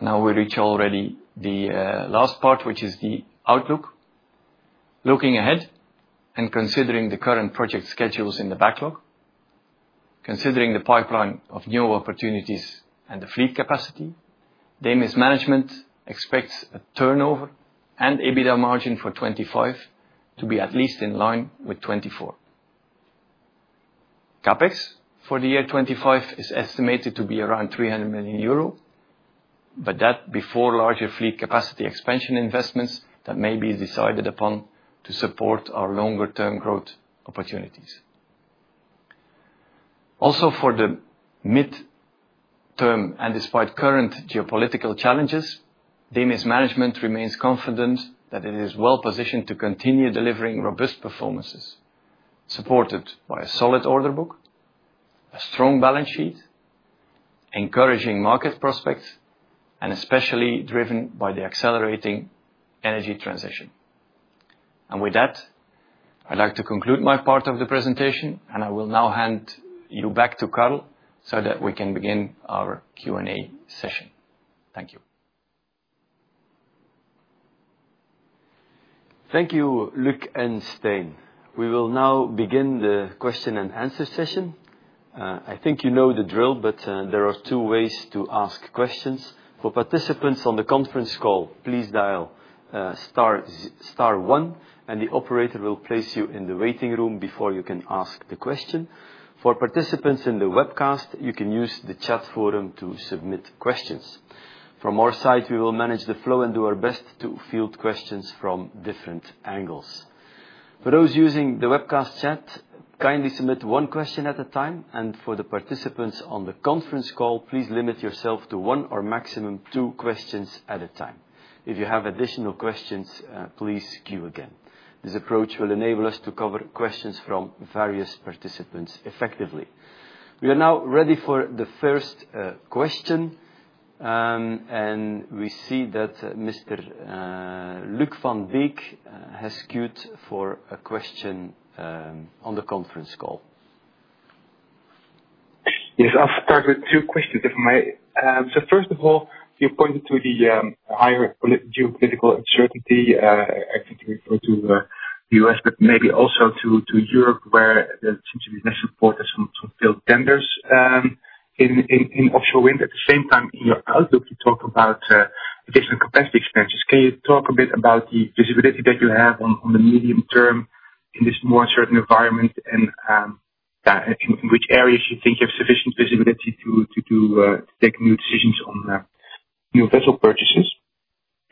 Now we reach already the last part, which is the outlook. Looking ahead and considering the current project schedules in the backlog, considering the pipeline of new opportunities and the fleet capacity, DEME's management expects a turnover and EBITDA margin for 2025 to be at least in line with 2024. CAPEX for the year 2025 is estimated to be around 300 million euro, but that before larger fleet capacity expansion investments that may be decided upon to support our longer-term growth opportunities. Also, for the midterm and despite current geopolitical challenges, DEME's management remains confident that it is well positioned to continue delivering robust performances, supported by a solid order book, a strong balance sheet, encouraging market prospects, and especially driven by the accelerating energy transition. And with that, I'd like to conclude my part of the presentation, and I will now hand you back to Carl so that we can begin our Q&A session. Thank you. Thank you, Luc and Stijn. We will now begin the question and answer session. I think you know the drill, but there are two ways to ask questions. For participants on the conference call, please dial STAR 1, and the operator will place you in the waiting room before you can ask the question. For participants in the webcast, you can use the chat forum to submit questions. From our side, we will manage the flow and do our best to field questions from different angles. For those using the webcast chat, kindly submit one question at a time, and for the participants on the conference call, please limit yourself to one or maximum two questions at a time. If you have additional questions, please queue again. This approach will enable us to cover questions from various participants effectively. We are now ready for the first question, and we see that Mr. Luc Van Beek has queued for a question on the conference call. Yes, I'll start with two questions, if I may. So first of all, you pointed to the higher geopolitical uncertainty referring to the U.S., but maybe also to Europe, where there seems to be less support for some field tenders in offshore wind. At the same time, in your outlook, you talk about additional capacity expansions. Can you talk a bit about the visibility that you have on the medium term in this more uncertain environment, and in which areas you think you have sufficient visibility to take new decisions on new vessel purchases?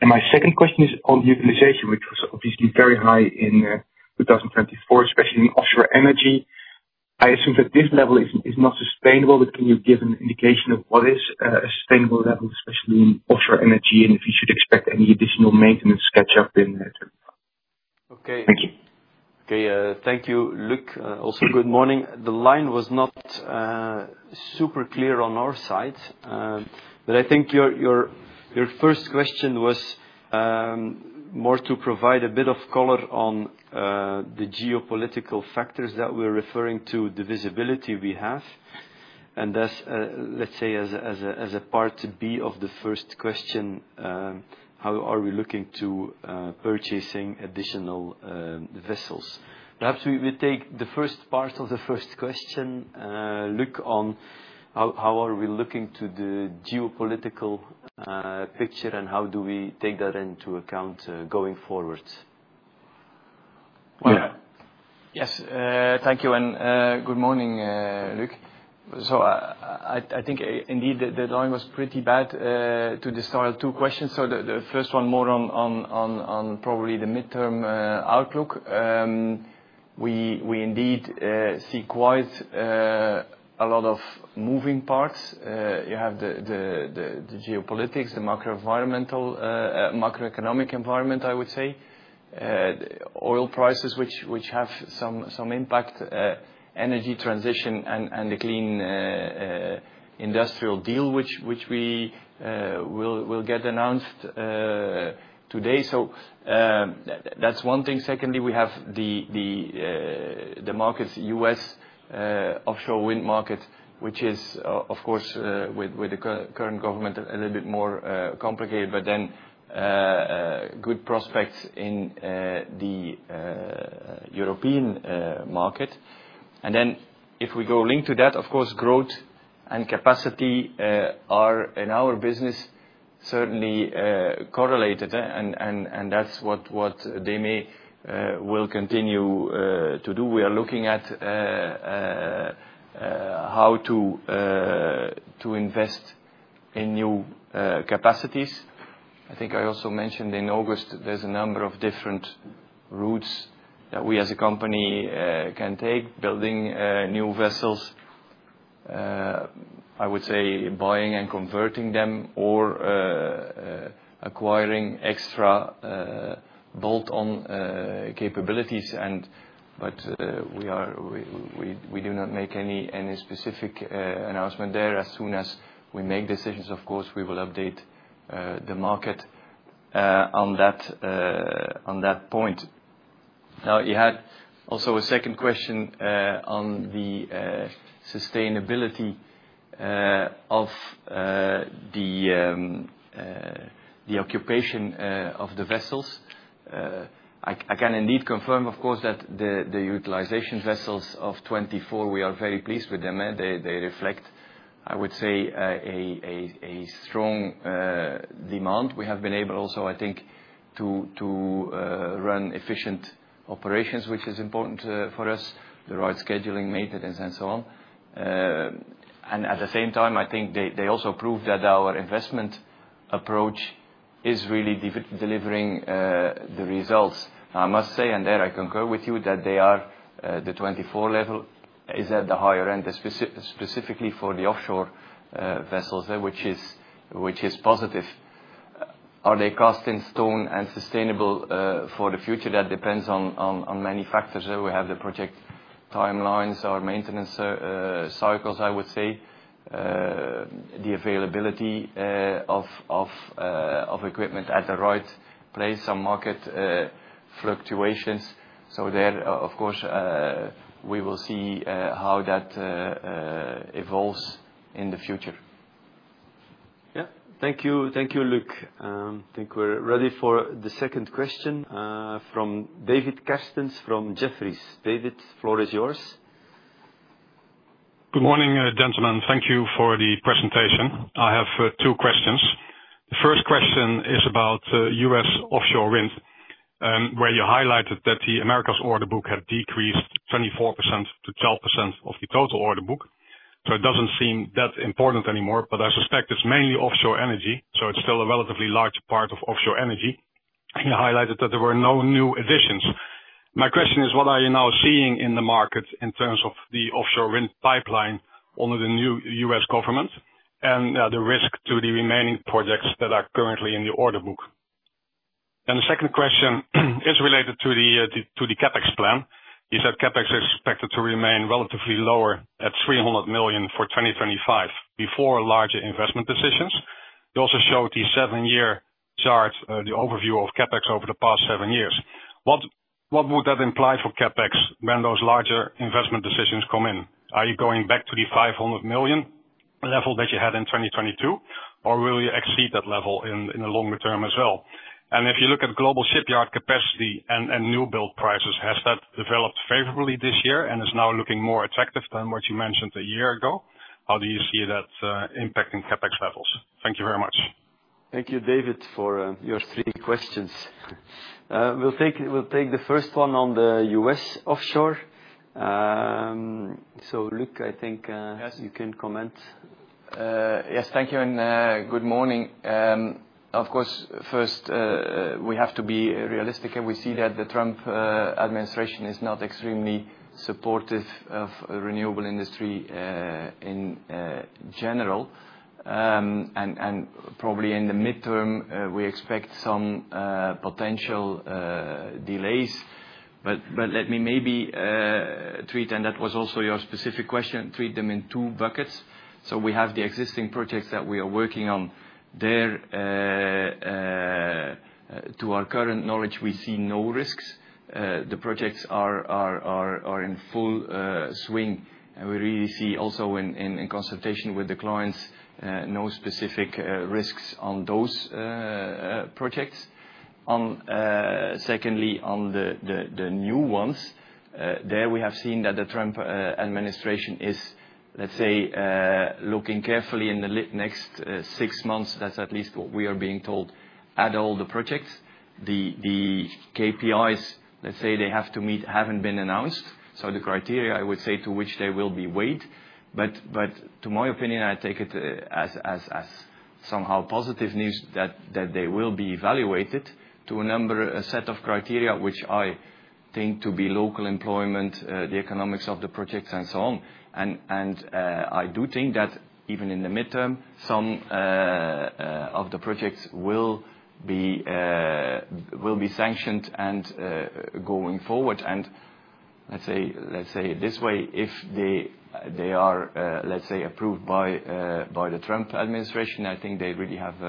And my second question is on utilization, which was obviously very high in 2024, especially in offshore energy. I assume that this level is not sustainable, but can you give an indication of what is a sustainable level, especially in offshore energy, and if you should expect any additional maintenance catch-up in 2025? Okay. Thank you. Okay, thank you, Luc. Also, good morning. The line was not super clear on our side, but I think your first question was more to provide a bit of color on the geopolitical factors that we're referring to, the visibility we have, and that's, let's say, as a part B of the first question, how are we looking to purchasing additional vessels? Perhaps we take the first part of the first question, Luc, on how are we looking to the geopolitical picture, and how do we take that into account going forward? Yes, thank you, and good morning, Luc. I think indeed the line was pretty bad to the start of two questions. The first one more on probably the midterm outlook. We indeed see quite a lot of moving parts. You have the geopolitics, the macroeconomic environment, I would say, oil prices, which have some impact, energy transition, and the Clean Industrial Deal, which we will get announced today. So that's one thing. Secondly, we have the markets, U.S. offshore wind market, which is, of course, with the current government, a little bit more complicated, but then good prospects in the European market. And then if we go link to that, of course, growth and capacity are in our business certainly correlated, and that's what DEME will continue to do. We are looking at how to invest in new capacities. I think I also mentioned in August there's a number of different routes that we as a company can take, building new vessels, I would say buying and converting them, or acquiring extra bolt-on capabilities. But we do not make any specific announcement there. As soon as we make decisions, of course, we will update the market on that point. Now, you had also a second question on the sustainability of the occupation of the vessels. I can indeed confirm, of course, that the utilization vessels of 2024, we are very pleased with them. They reflect, I would say, a strong demand. We have been able also, I think, to run efficient operations, which is important for us, the right scheduling maintenance, and so on. And at the same time, I think they also prove that our investment approach is really delivering the results. I must say, and there I concur with you, that the 2024 level is at the higher end, specifically for the offshore vessels, which is positive. Are they cast in stone and sustainable for the future? That depends on many factors. We have the project timelines, our maintenance cycles, I would say, the availability of equipment at the right place, some market fluctuations. So there, of course, we will see how that evolves in the future. Yeah, thank you, Luc. I think we're ready for the second question from David Kerstens from Jefferies. David, the floor is yours. Good morning, gentlemen. Thank you for the presentation. I have two questions. The first question is about U.S. offshore wind, where you highlighted that the Americas' order book had decreased 24%-12% of the total order book. So it doesn't seem that important anymore, but I suspect it's mainly offshore energy. So it's still a relatively large part of offshore energy. You highlighted that there were no new additions. My question is, what are you now seeing in the market in terms of the offshore wind pipeline under the new U.S. government and the risk to the remaining projects that are currently in the order book? And the second question is related to the CAPEX plan. You said CAPEX is expected to remain relatively lower at 300 million for 2025 before larger investment decisions. You also showed the seven-year chart, the overview of CAPEX over the past seven years. What would that imply for CAPEX when those larger investment decisions come in? Are you going back to the 500 million level that you had in 2022, or will you exceed that level in the longer term as well? And if you look at global shipyard capacity and new build prices, has that developed favorably this year and is now looking more attractive than what you mentioned a year ago? How do you see that impacting CAPEX levels? Thank you very much. Thank you, David, for your three questions. We'll take the first one on the U.S. offshore. So, Luc, I think you can comment. Yes, thank you, and good morning. Of course, first, we have to be realistic. We see that the Trump administration is not extremely supportive of the renewable industry in general, and probably in the midterm, we expect some potential delays. But let me maybe treat them in two buckets, and that was also your specific question. So we have the existing projects that we are working on there. To our current knowledge, we see no risks. The projects are in full swing, and we really see also, in consultation with the clients, no specific risks on those projects. Secondly, on the new ones, there we have seen that the Trump administration is, let's say, looking carefully in the next six months. That's at least what we are being told at all the projects. The KPIs, let's say, they have to meet, haven't been announced. So the criteria, I would say, to which they will be weighed. But to my opinion, I take it as somehow positive news that they will be evaluated to a set of criteria, which I think to be local employment, the economics of the projects, and so on. And I do think that even in the midterm, some of the projects will be sanctioned going forward. And let's say it this way, if they are, let's say, approved by the Trump administration, I think they really have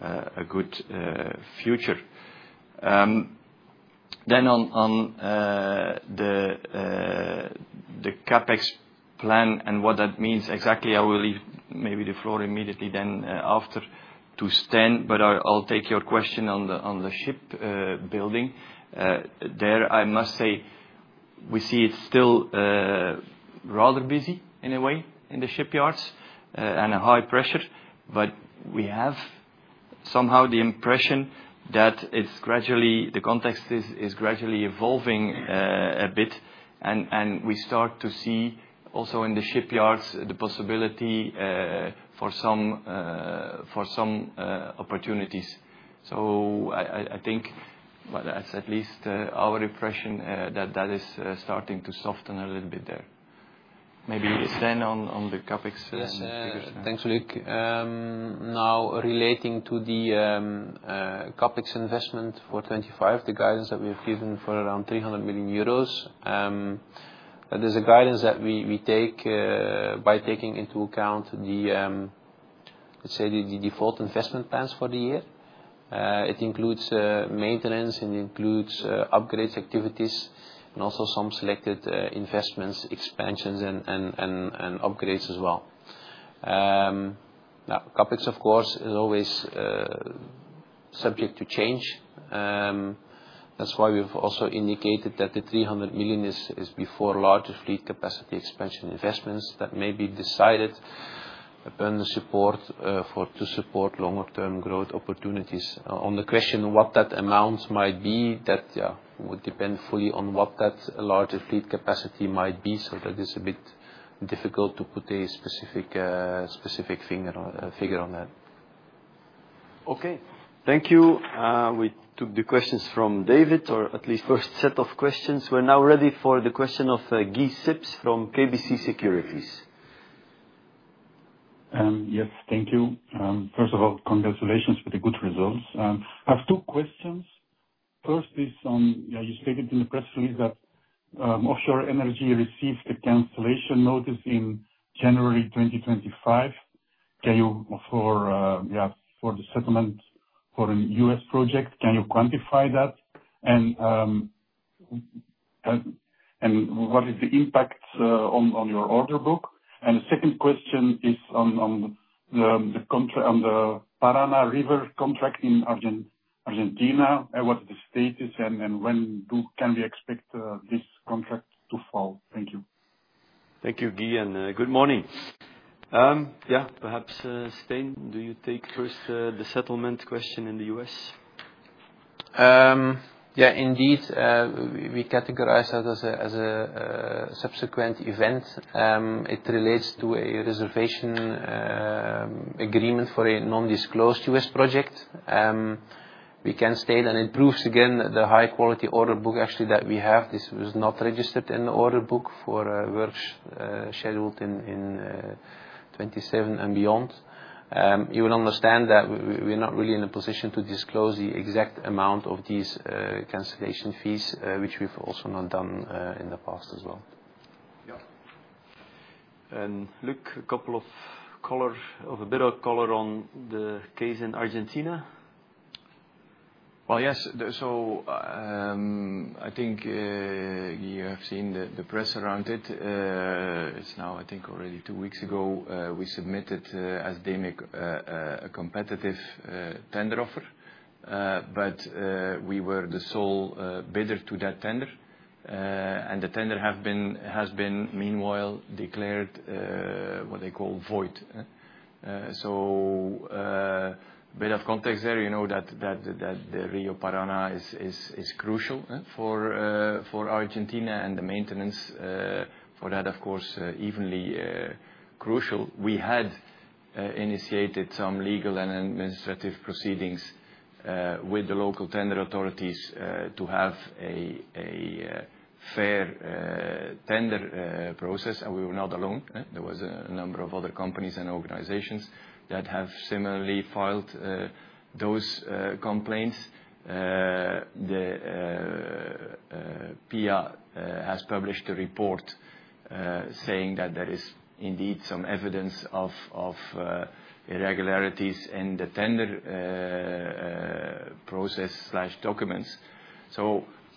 a good future. Then on the CAPEX plan and what that means exactly, I will leave maybe the floor immediately then after to Stijn, but I'll take your question on the shipbuilding. There, I must say, we see it still rather busy in a way in the shipyards and high pressure, but we have somehow the impression that the context is gradually evolving a bit, and we start to see also in the shipyards the possibility for some opportunities. So I think that's at least our impression that that is starting to soften a little bit there. Maybe Stijn on the CAPEX figures. Thanks, Luc. Now, relating to the CAPEX investment for 2025, the guidance that we have given for around 300 million euros, there's a guidance that we take by taking into account the default investment plans for the year. It includes maintenance, and it includes upgrades activities, and also some selected investments, expansions, and upgrades as well. CAPEX, of course, is always subject to change. That's why we've also indicated that the 300 million is before larger fleet capacity expansion investments that may be decided upon to support longer-term growth opportunities. On the question of what that amount might be, that would depend fully on what that larger fleet capacity might be, so that is a bit difficult to put a specific figure on that. Okay, thank you. We took the questions from David, or at least first set of questions. We're now ready for the question of Guy Sips from KBC Securities. Yes, thank you. First of all, congratulations with the good results. I have two questions. First is on, you stated in the press release that Offshore Energy received the cancellation notice in January 2025. For the settlement for a U.S. project, can you quantify that? And what is the impact on your order book? And the second question is on the Rio Parana contract in Argentina. What is the status, and when can we expect this contract to fall? Thank you. Thank you, Guy, and good morning. Yeah, perhaps Stijn, do you take first the settlement question in the U.S.? Yeah, indeed. We categorize that as a subsequent event. It relates to a reservation agreement for a non-disclosed U.S. project. We can state and it proves again the high-quality order book actually that we have. This was not registered in the order book for works scheduled in 2027 and beyond. You will understand that we're not really in a position to disclose the exact amount of these cancellation fees, which we've also not done in the past as well. Yeah. Luc, a couple of colors, a bit of color on the case in Argentina. Well, yes. So I think you have seen the press around it. It's now, I think, already two weeks ago we submitted as DEME a competitive tender offer, but we were the sole bidder to that tender. And the tender has been, meanwhile, declared what they call void. So a bit of context there, you know that the Rio Parana is crucial for Argentina and the maintenance for that, of course, equally crucial. We had initiated some legal and administrative proceedings with the local tender authorities to have a fair tender process, and we were not alone. There was a number of other companies and organizations that have similarly filed those complaints. The PIA has published a report saying that there is indeed some evidence of irregularities in the tender process/documents.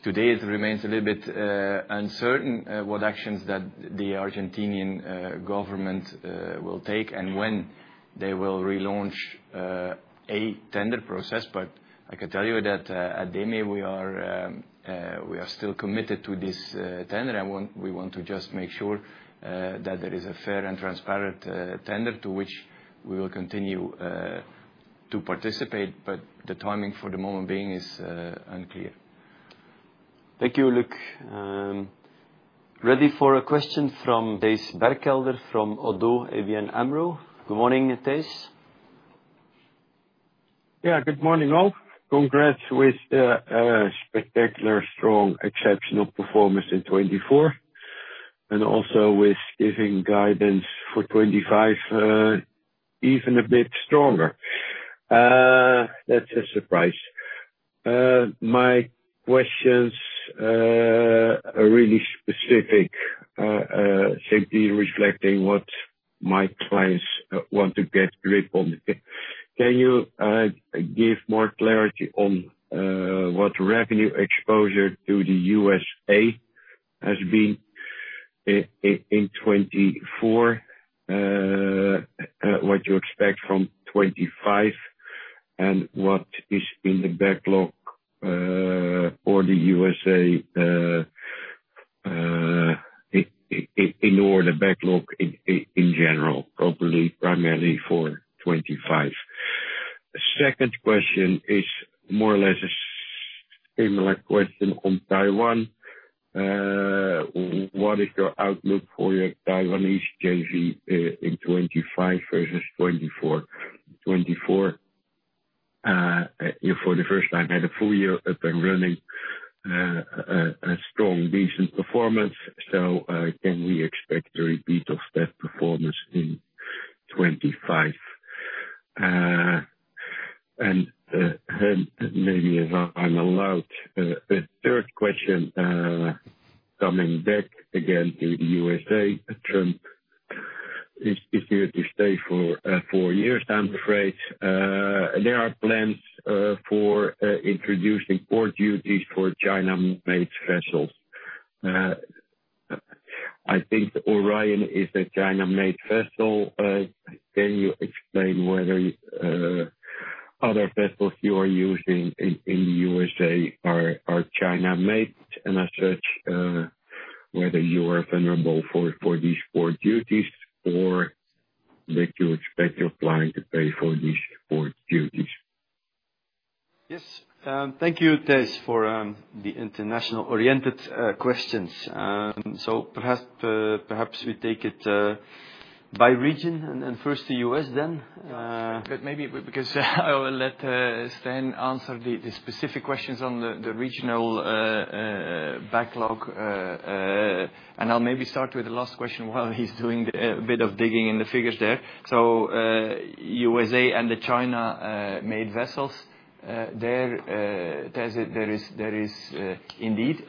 Today, it remains a little bit uncertain what actions that the Argentinian government will take and when they will relaunch a tender process. But I can tell you that at DEME, we are still committed to this tender, and we want to just make sure that there is a fair and transparent tender to which we will continue to participate. But the timing for the moment being is unclear. Thank you, Luc. Ready for a question from Thijs Berkelder from ABN AMRO - ODDO BHF. Good morning, Thijs. Yeah, good morning all. Congrats with a spectacular, strong, exceptional performance in 2024, and also with giving guidance for 2025 even a bit stronger. That's a surprise. My questions are really specific, simply reflecting what my clients want to get a grip on. Can you give more clarity on what revenue exposure to the USA has been in 2024, what you expect from 2025, and what is in the backlog for the USA in order backlog in general, probably primarily for 2025? Second question is more or less a similar question on Taiwan. What is your outlook for your Taiwanese JV in 2025 versus 2024? 2024, for the first time, had a full year up and running, a strong, decent performance. So can we expect a repeat of that performance in 2025? And maybe, if I'm allowed, a third question coming back again to the USA. Trump is here to stay for four years, I'm afraid. There are plans for introducing port duties for China-made vessels. I think Orion is a China-made vessel. Can you explain whether other vessels you are using in the USA are China-made? And as such, whether you are vulnerable for these port duties or that you expect your client to pay for these port duties? Yes. Thank you, Thijs, for the international-oriented questions. So perhaps we take it by region, and first the U.S. then. Yes, but maybe because I will let Stijn answer the specific questions on the regional backlog. And I'll maybe start with the last question while he's doing a bit of digging in the figures there. So U.S.A. and the China-made vessels there, there is indeed.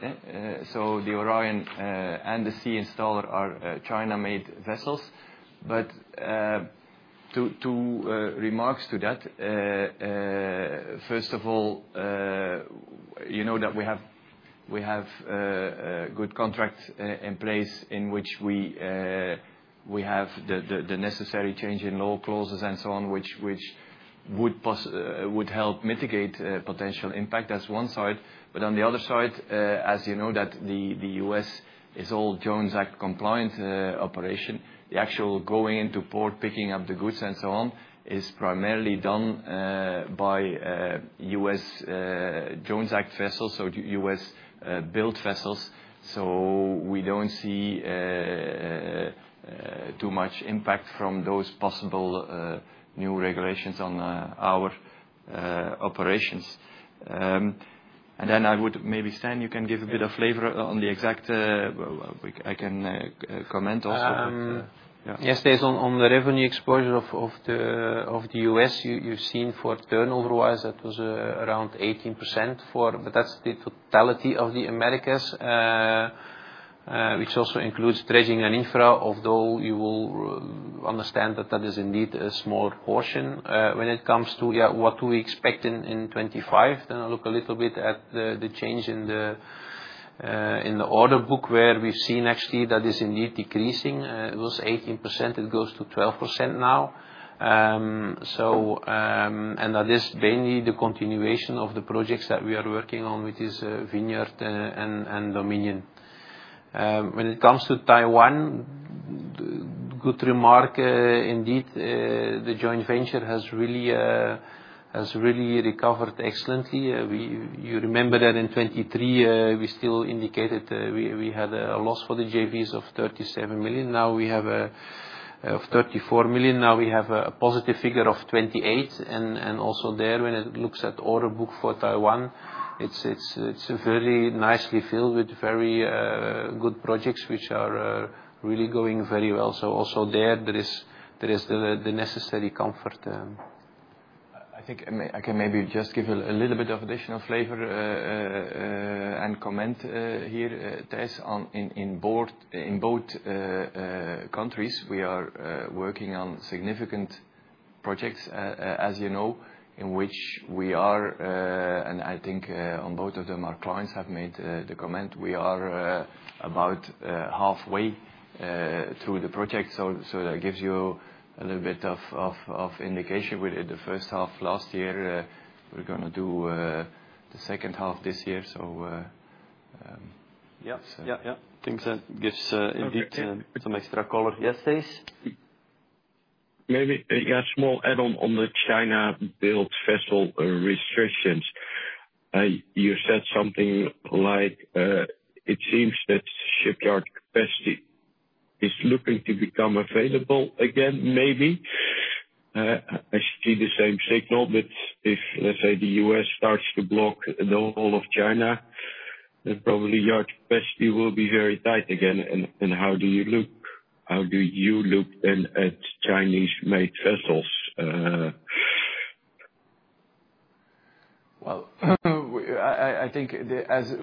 So the Orion and the Sea Installer are China-made vessels. But two remarks to that. First of all, you know that we have good contracts in place in which we have the necessary change in law clauses and so on, which would help mitigate potential impact. That's one side. But on the other side, as you know, that the U.S. is all Jones Act-compliant operation. The actual going into port, picking up the goods, and so on is primarily done by U.S. Jones Act vessels, so U.S.-built vessels. So we don't see too much impact from those possible new regulations on our operations. And then I would maybe, Stijn, you can give a bit of flavor on the exact I can comment also on. Yes, Thijs, on the revenue exposure of the U.S., you've seen for turnover-wise, that was around 18%. But that's the totality of the Americas, which also includes Dredging & Infra, although you will understand that that is indeed a small portion when it comes to, yeah, what do we expect in 2025? Then I'll look a little bit at the change in the order book where we've seen actually that is indeed decreasing. It was 18%. It goes to 12% now, and that is mainly the continuation of the projects that we are working on, which is Vineyard and Dominion. When it comes to Taiwan, good remark. Indeed, the joint venture has really recovered excellently. You remember that in 2023, we still indicated we had a loss for the JVs of 37 million. Now we have a 34 million. Now we have a positive figure of 28. And also there, when it looks at order book for Taiwan, it's very nicely filled with very good projects which are really going very well, so also there, there is the necessary comfort. I think I can maybe just give a little bit of additional flavor and comment here, Thijs, in both countries. We are working on significant projects, as you know, in which we are, and I think on both of them, our clients have made the comment. We are about halfway through the project. So that gives you a little bit of indication. With the first half last year, we're going to do the second half this year. So yeah. I think that gives indeed some extra color. Yes, Thijs? Maybe a small add-on on the China-built vessel restrictions. You said something like, "It seems that shipyard capacity is looking to become available again, maybe." I see the same signal, but if, let's say, the U.S. starts to block the whole of China, then probably yard capacity will be very tight again. And how do you look? How do you look then at Chinese-made vessels? I think as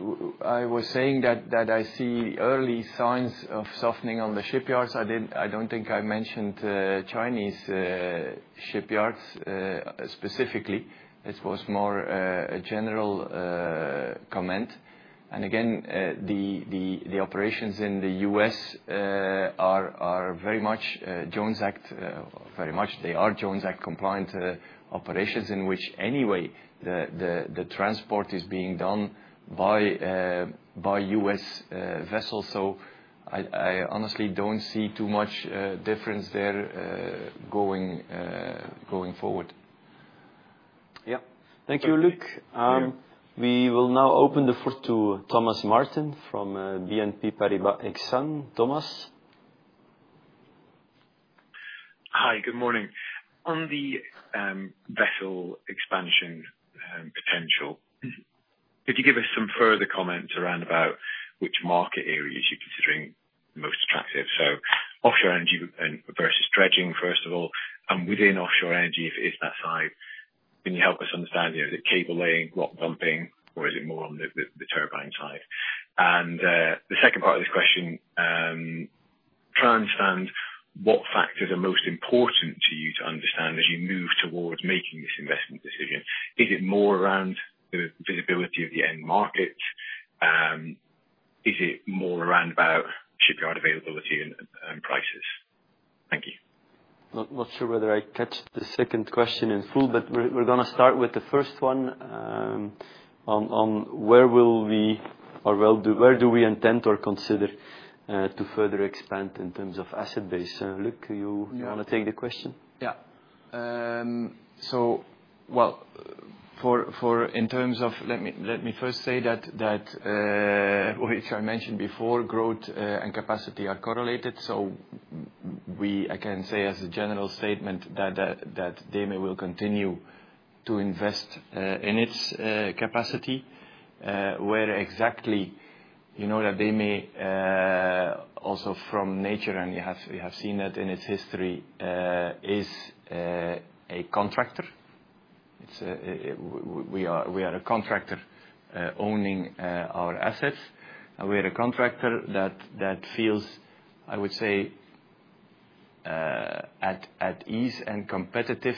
I was saying that I see early signs of softening on the shipyards. I don't think I mentioned Chinese shipyards specifically. It was more a general comment. And again, the operations in the U.S. are very much Jones Act, very much. They are Jones Act-compliant operations in which anyway, the transport is being done by U.S. vessels. So I honestly don't see too much difference there going forward. Yeah. Thank you, Luc. We will now open the floor to Thomas Martin from BNP Paribas Exane. Thomas. Hi, good morning. On the vessel expansion potential, could you give us some further comments around about which market areas you're considering most attractive? So Offshore Energy versus dredging, first of all, and within offshore energy, if it is that side, can you help us understand, is it cable laying, rock dumping, or is it more on the turbine side? And the second part of this question, try and understand what factors are most important to you to understand as you move towards making this investment decision. Is it more around the visibility of the end markets? Is it more around about shipyard availability and prices? Thank you. Not sure whether I catch the second question in full, but we're going to start with the first one on where will we or where do we intend or consider to further expand in terms of asset base? Luc, you want to take the question? Yeah. So, well, in terms of, let me first say that, which I mentioned before, growth and capacity are correlated. So I can say as a general statement that DEME will continue to invest in its capacity. Where exactly that DEME, also from nature, and you have seen that in its history, is a contractor. We are a contractor owning our assets. We are a contractor that feels, I would say, at ease and competitive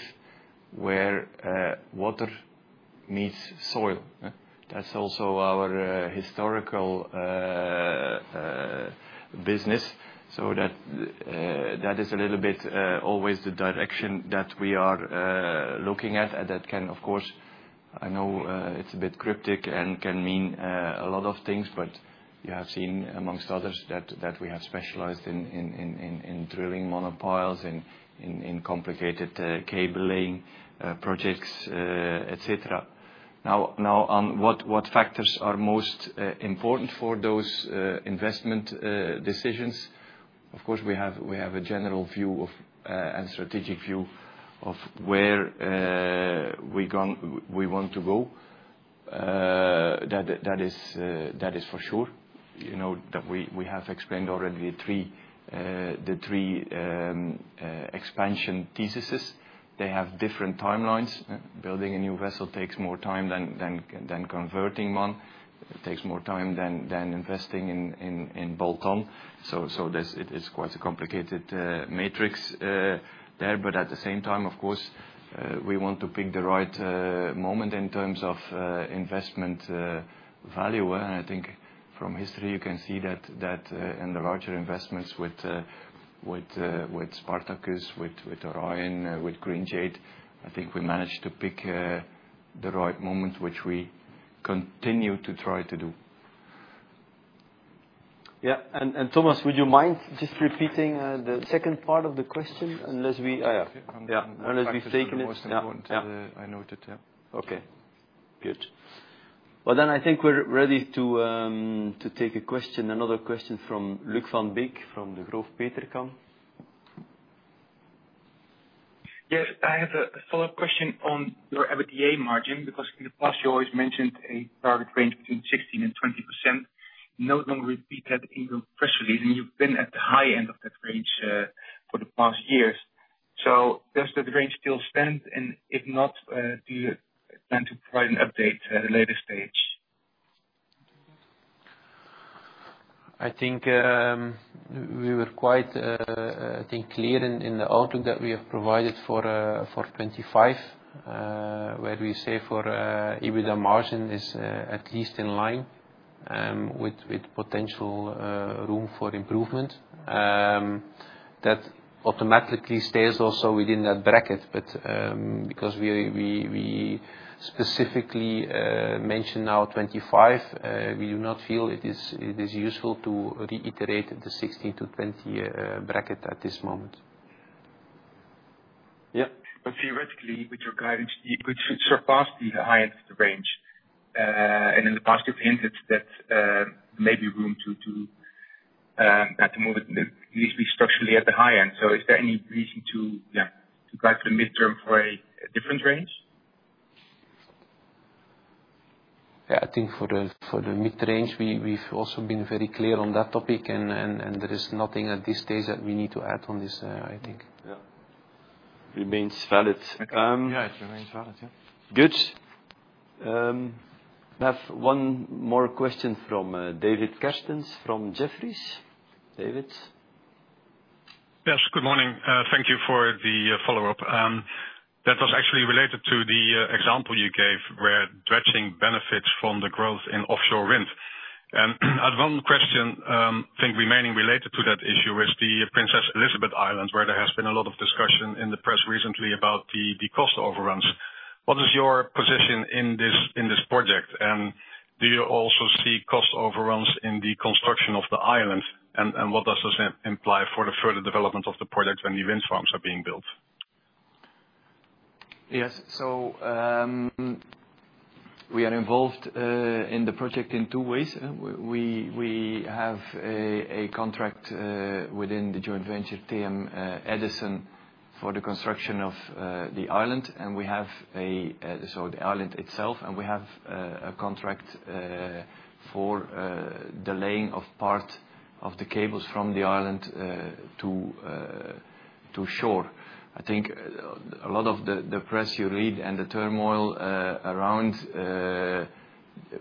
where water meets soil. That's also our historical business. So that is a little bit always the direction that we are looking at. And that can, of course, I know it's a bit cryptic and can mean a lot of things, but you have seen among others that we have specialized in drilling monopiles and in complicated cable laying projects, etc. Now, on what factors are most important for those investment decisions? Of course, we have a general view and strategic view of where we want to go. That is for sure. We have explained already the three expansion theses. They have different timelines. Building a new vessel takes more time than converting one. It takes more time than investing in bolt-on. So it's quite a complicated matrix there. But at the same time, of course, we want to pick the right moment in terms of investment value. And I think from history, you can see that in the larger investments with Spartacus, with Orion, with Green Jade, I think we managed to pick the right moment, which we continue to try to do. Yeah. And Thomas, would you mind just repeating the second part of the question unless we, yeah, unless we've taken it? Yeah, that was the most important I noted. Yeah. Okay. Good. Well, then I think we're ready to take another question from Luuk Van Beek from Degroof Petercam. Yes. I have a follow-up question on your EBITDA margin because in the past, you always mentioned a target range between 16% and 20%. No longer repeat that in your press release. And you've been at the high end of that range for the past years. So does that range still stand? And if not, do you plan to provide an update at a later stage? I think we were quite, I think, clear in the outlook that we have provided for 2025, where we say for EBITDA margin is at least in line with potential room for improvement. That automatically stays also within that bracket. But because we specifically mentioned now 2025, we do not feel it is useful to reiterate the 16%-20% bracket at this moment. Yeah. But theoretically, with your guidance, it would surpass the high end of the range. And in the past, you've hinted that maybe room to move it at least be structurally at the high end. So is there any reason to, yeah, to go for the midterm for a different range? Yeah. I think for the midterm range, we've also been very clear on that topic. And there is nothing at this stage that we need to add on this, I think. Yeah. Remains valid. Yeah, it remains valid. Yeah. Good. We have one more question from David Kerstens from Jefferies. David? Yes. Good morning. Thank you for the follow-up. That was actually related to the example you gave where dredging benefits from the growth in offshore wind. And I have one question, I think remaining related to that issue with the Princess Elisabeth Island where there has been a lot of discussion in the press recently about the cost overruns. What is your position in this project? And do you also see cost overruns in the construction of the island? And what does this imply for the further development of the project when the wind farms are being built? Yes. We are involved in the project in two ways. We have a contract within the joint venture, TM Edison, for the construction of the island. And we have a contract for the island itself, and we have a contract for the laying of part of the cables from the island to shore. I think a lot of the press you read and the turmoil around,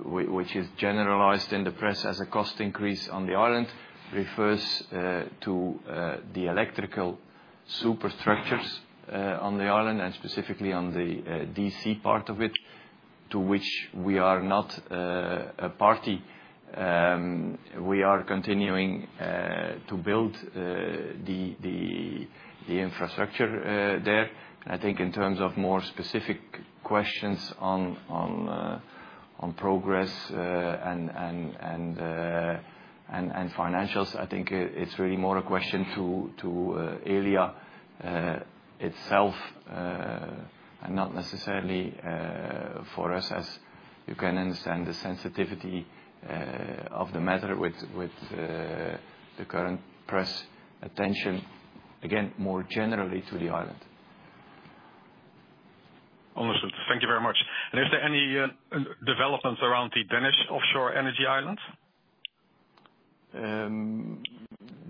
which is generalized in the press as a cost increase on the island, refers to the electrical superstructures on the island and specifically on the DC part of it, to which we are not a party. We are continuing to build the infrastructure there. I think in terms of more specific questions on progress and financials, I think it's really more a question to Elia itself and not necessarily for us, as you can understand the sensitivity of the matter with the current press attention, again, more generally to the island. Understood. Thank you very much. And is there any developments around the Danish Offshore Energy island?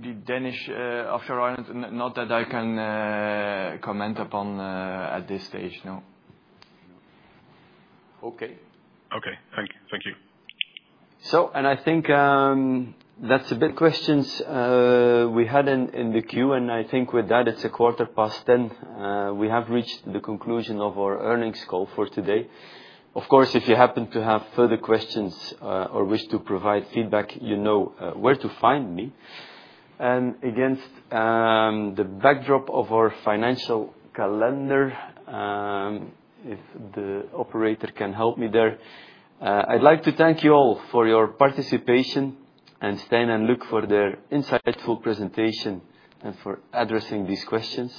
The Danish offshore island, not that I can comment upon at this stage. No. Okay. Okay. Thank you. Thank you. So, I think that's a bit of questions we had in the queue. I think with that, it's 10:15 A.M. We have reached the conclusion of our earnings call for today. Of course, if you happen to have further questions or wish to provide feedback, you know where to find me. Against the backdrop of our financial calendar, if the operator can help me there, I'd like to thank you all for your participation and Stijn and Luc for their insightful presentation and for addressing these questions.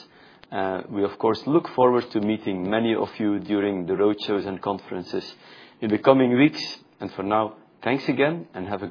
We, of course, look forward to meeting many of you during the roadshows and conferences in the coming weeks. For now, thanks again and have a good.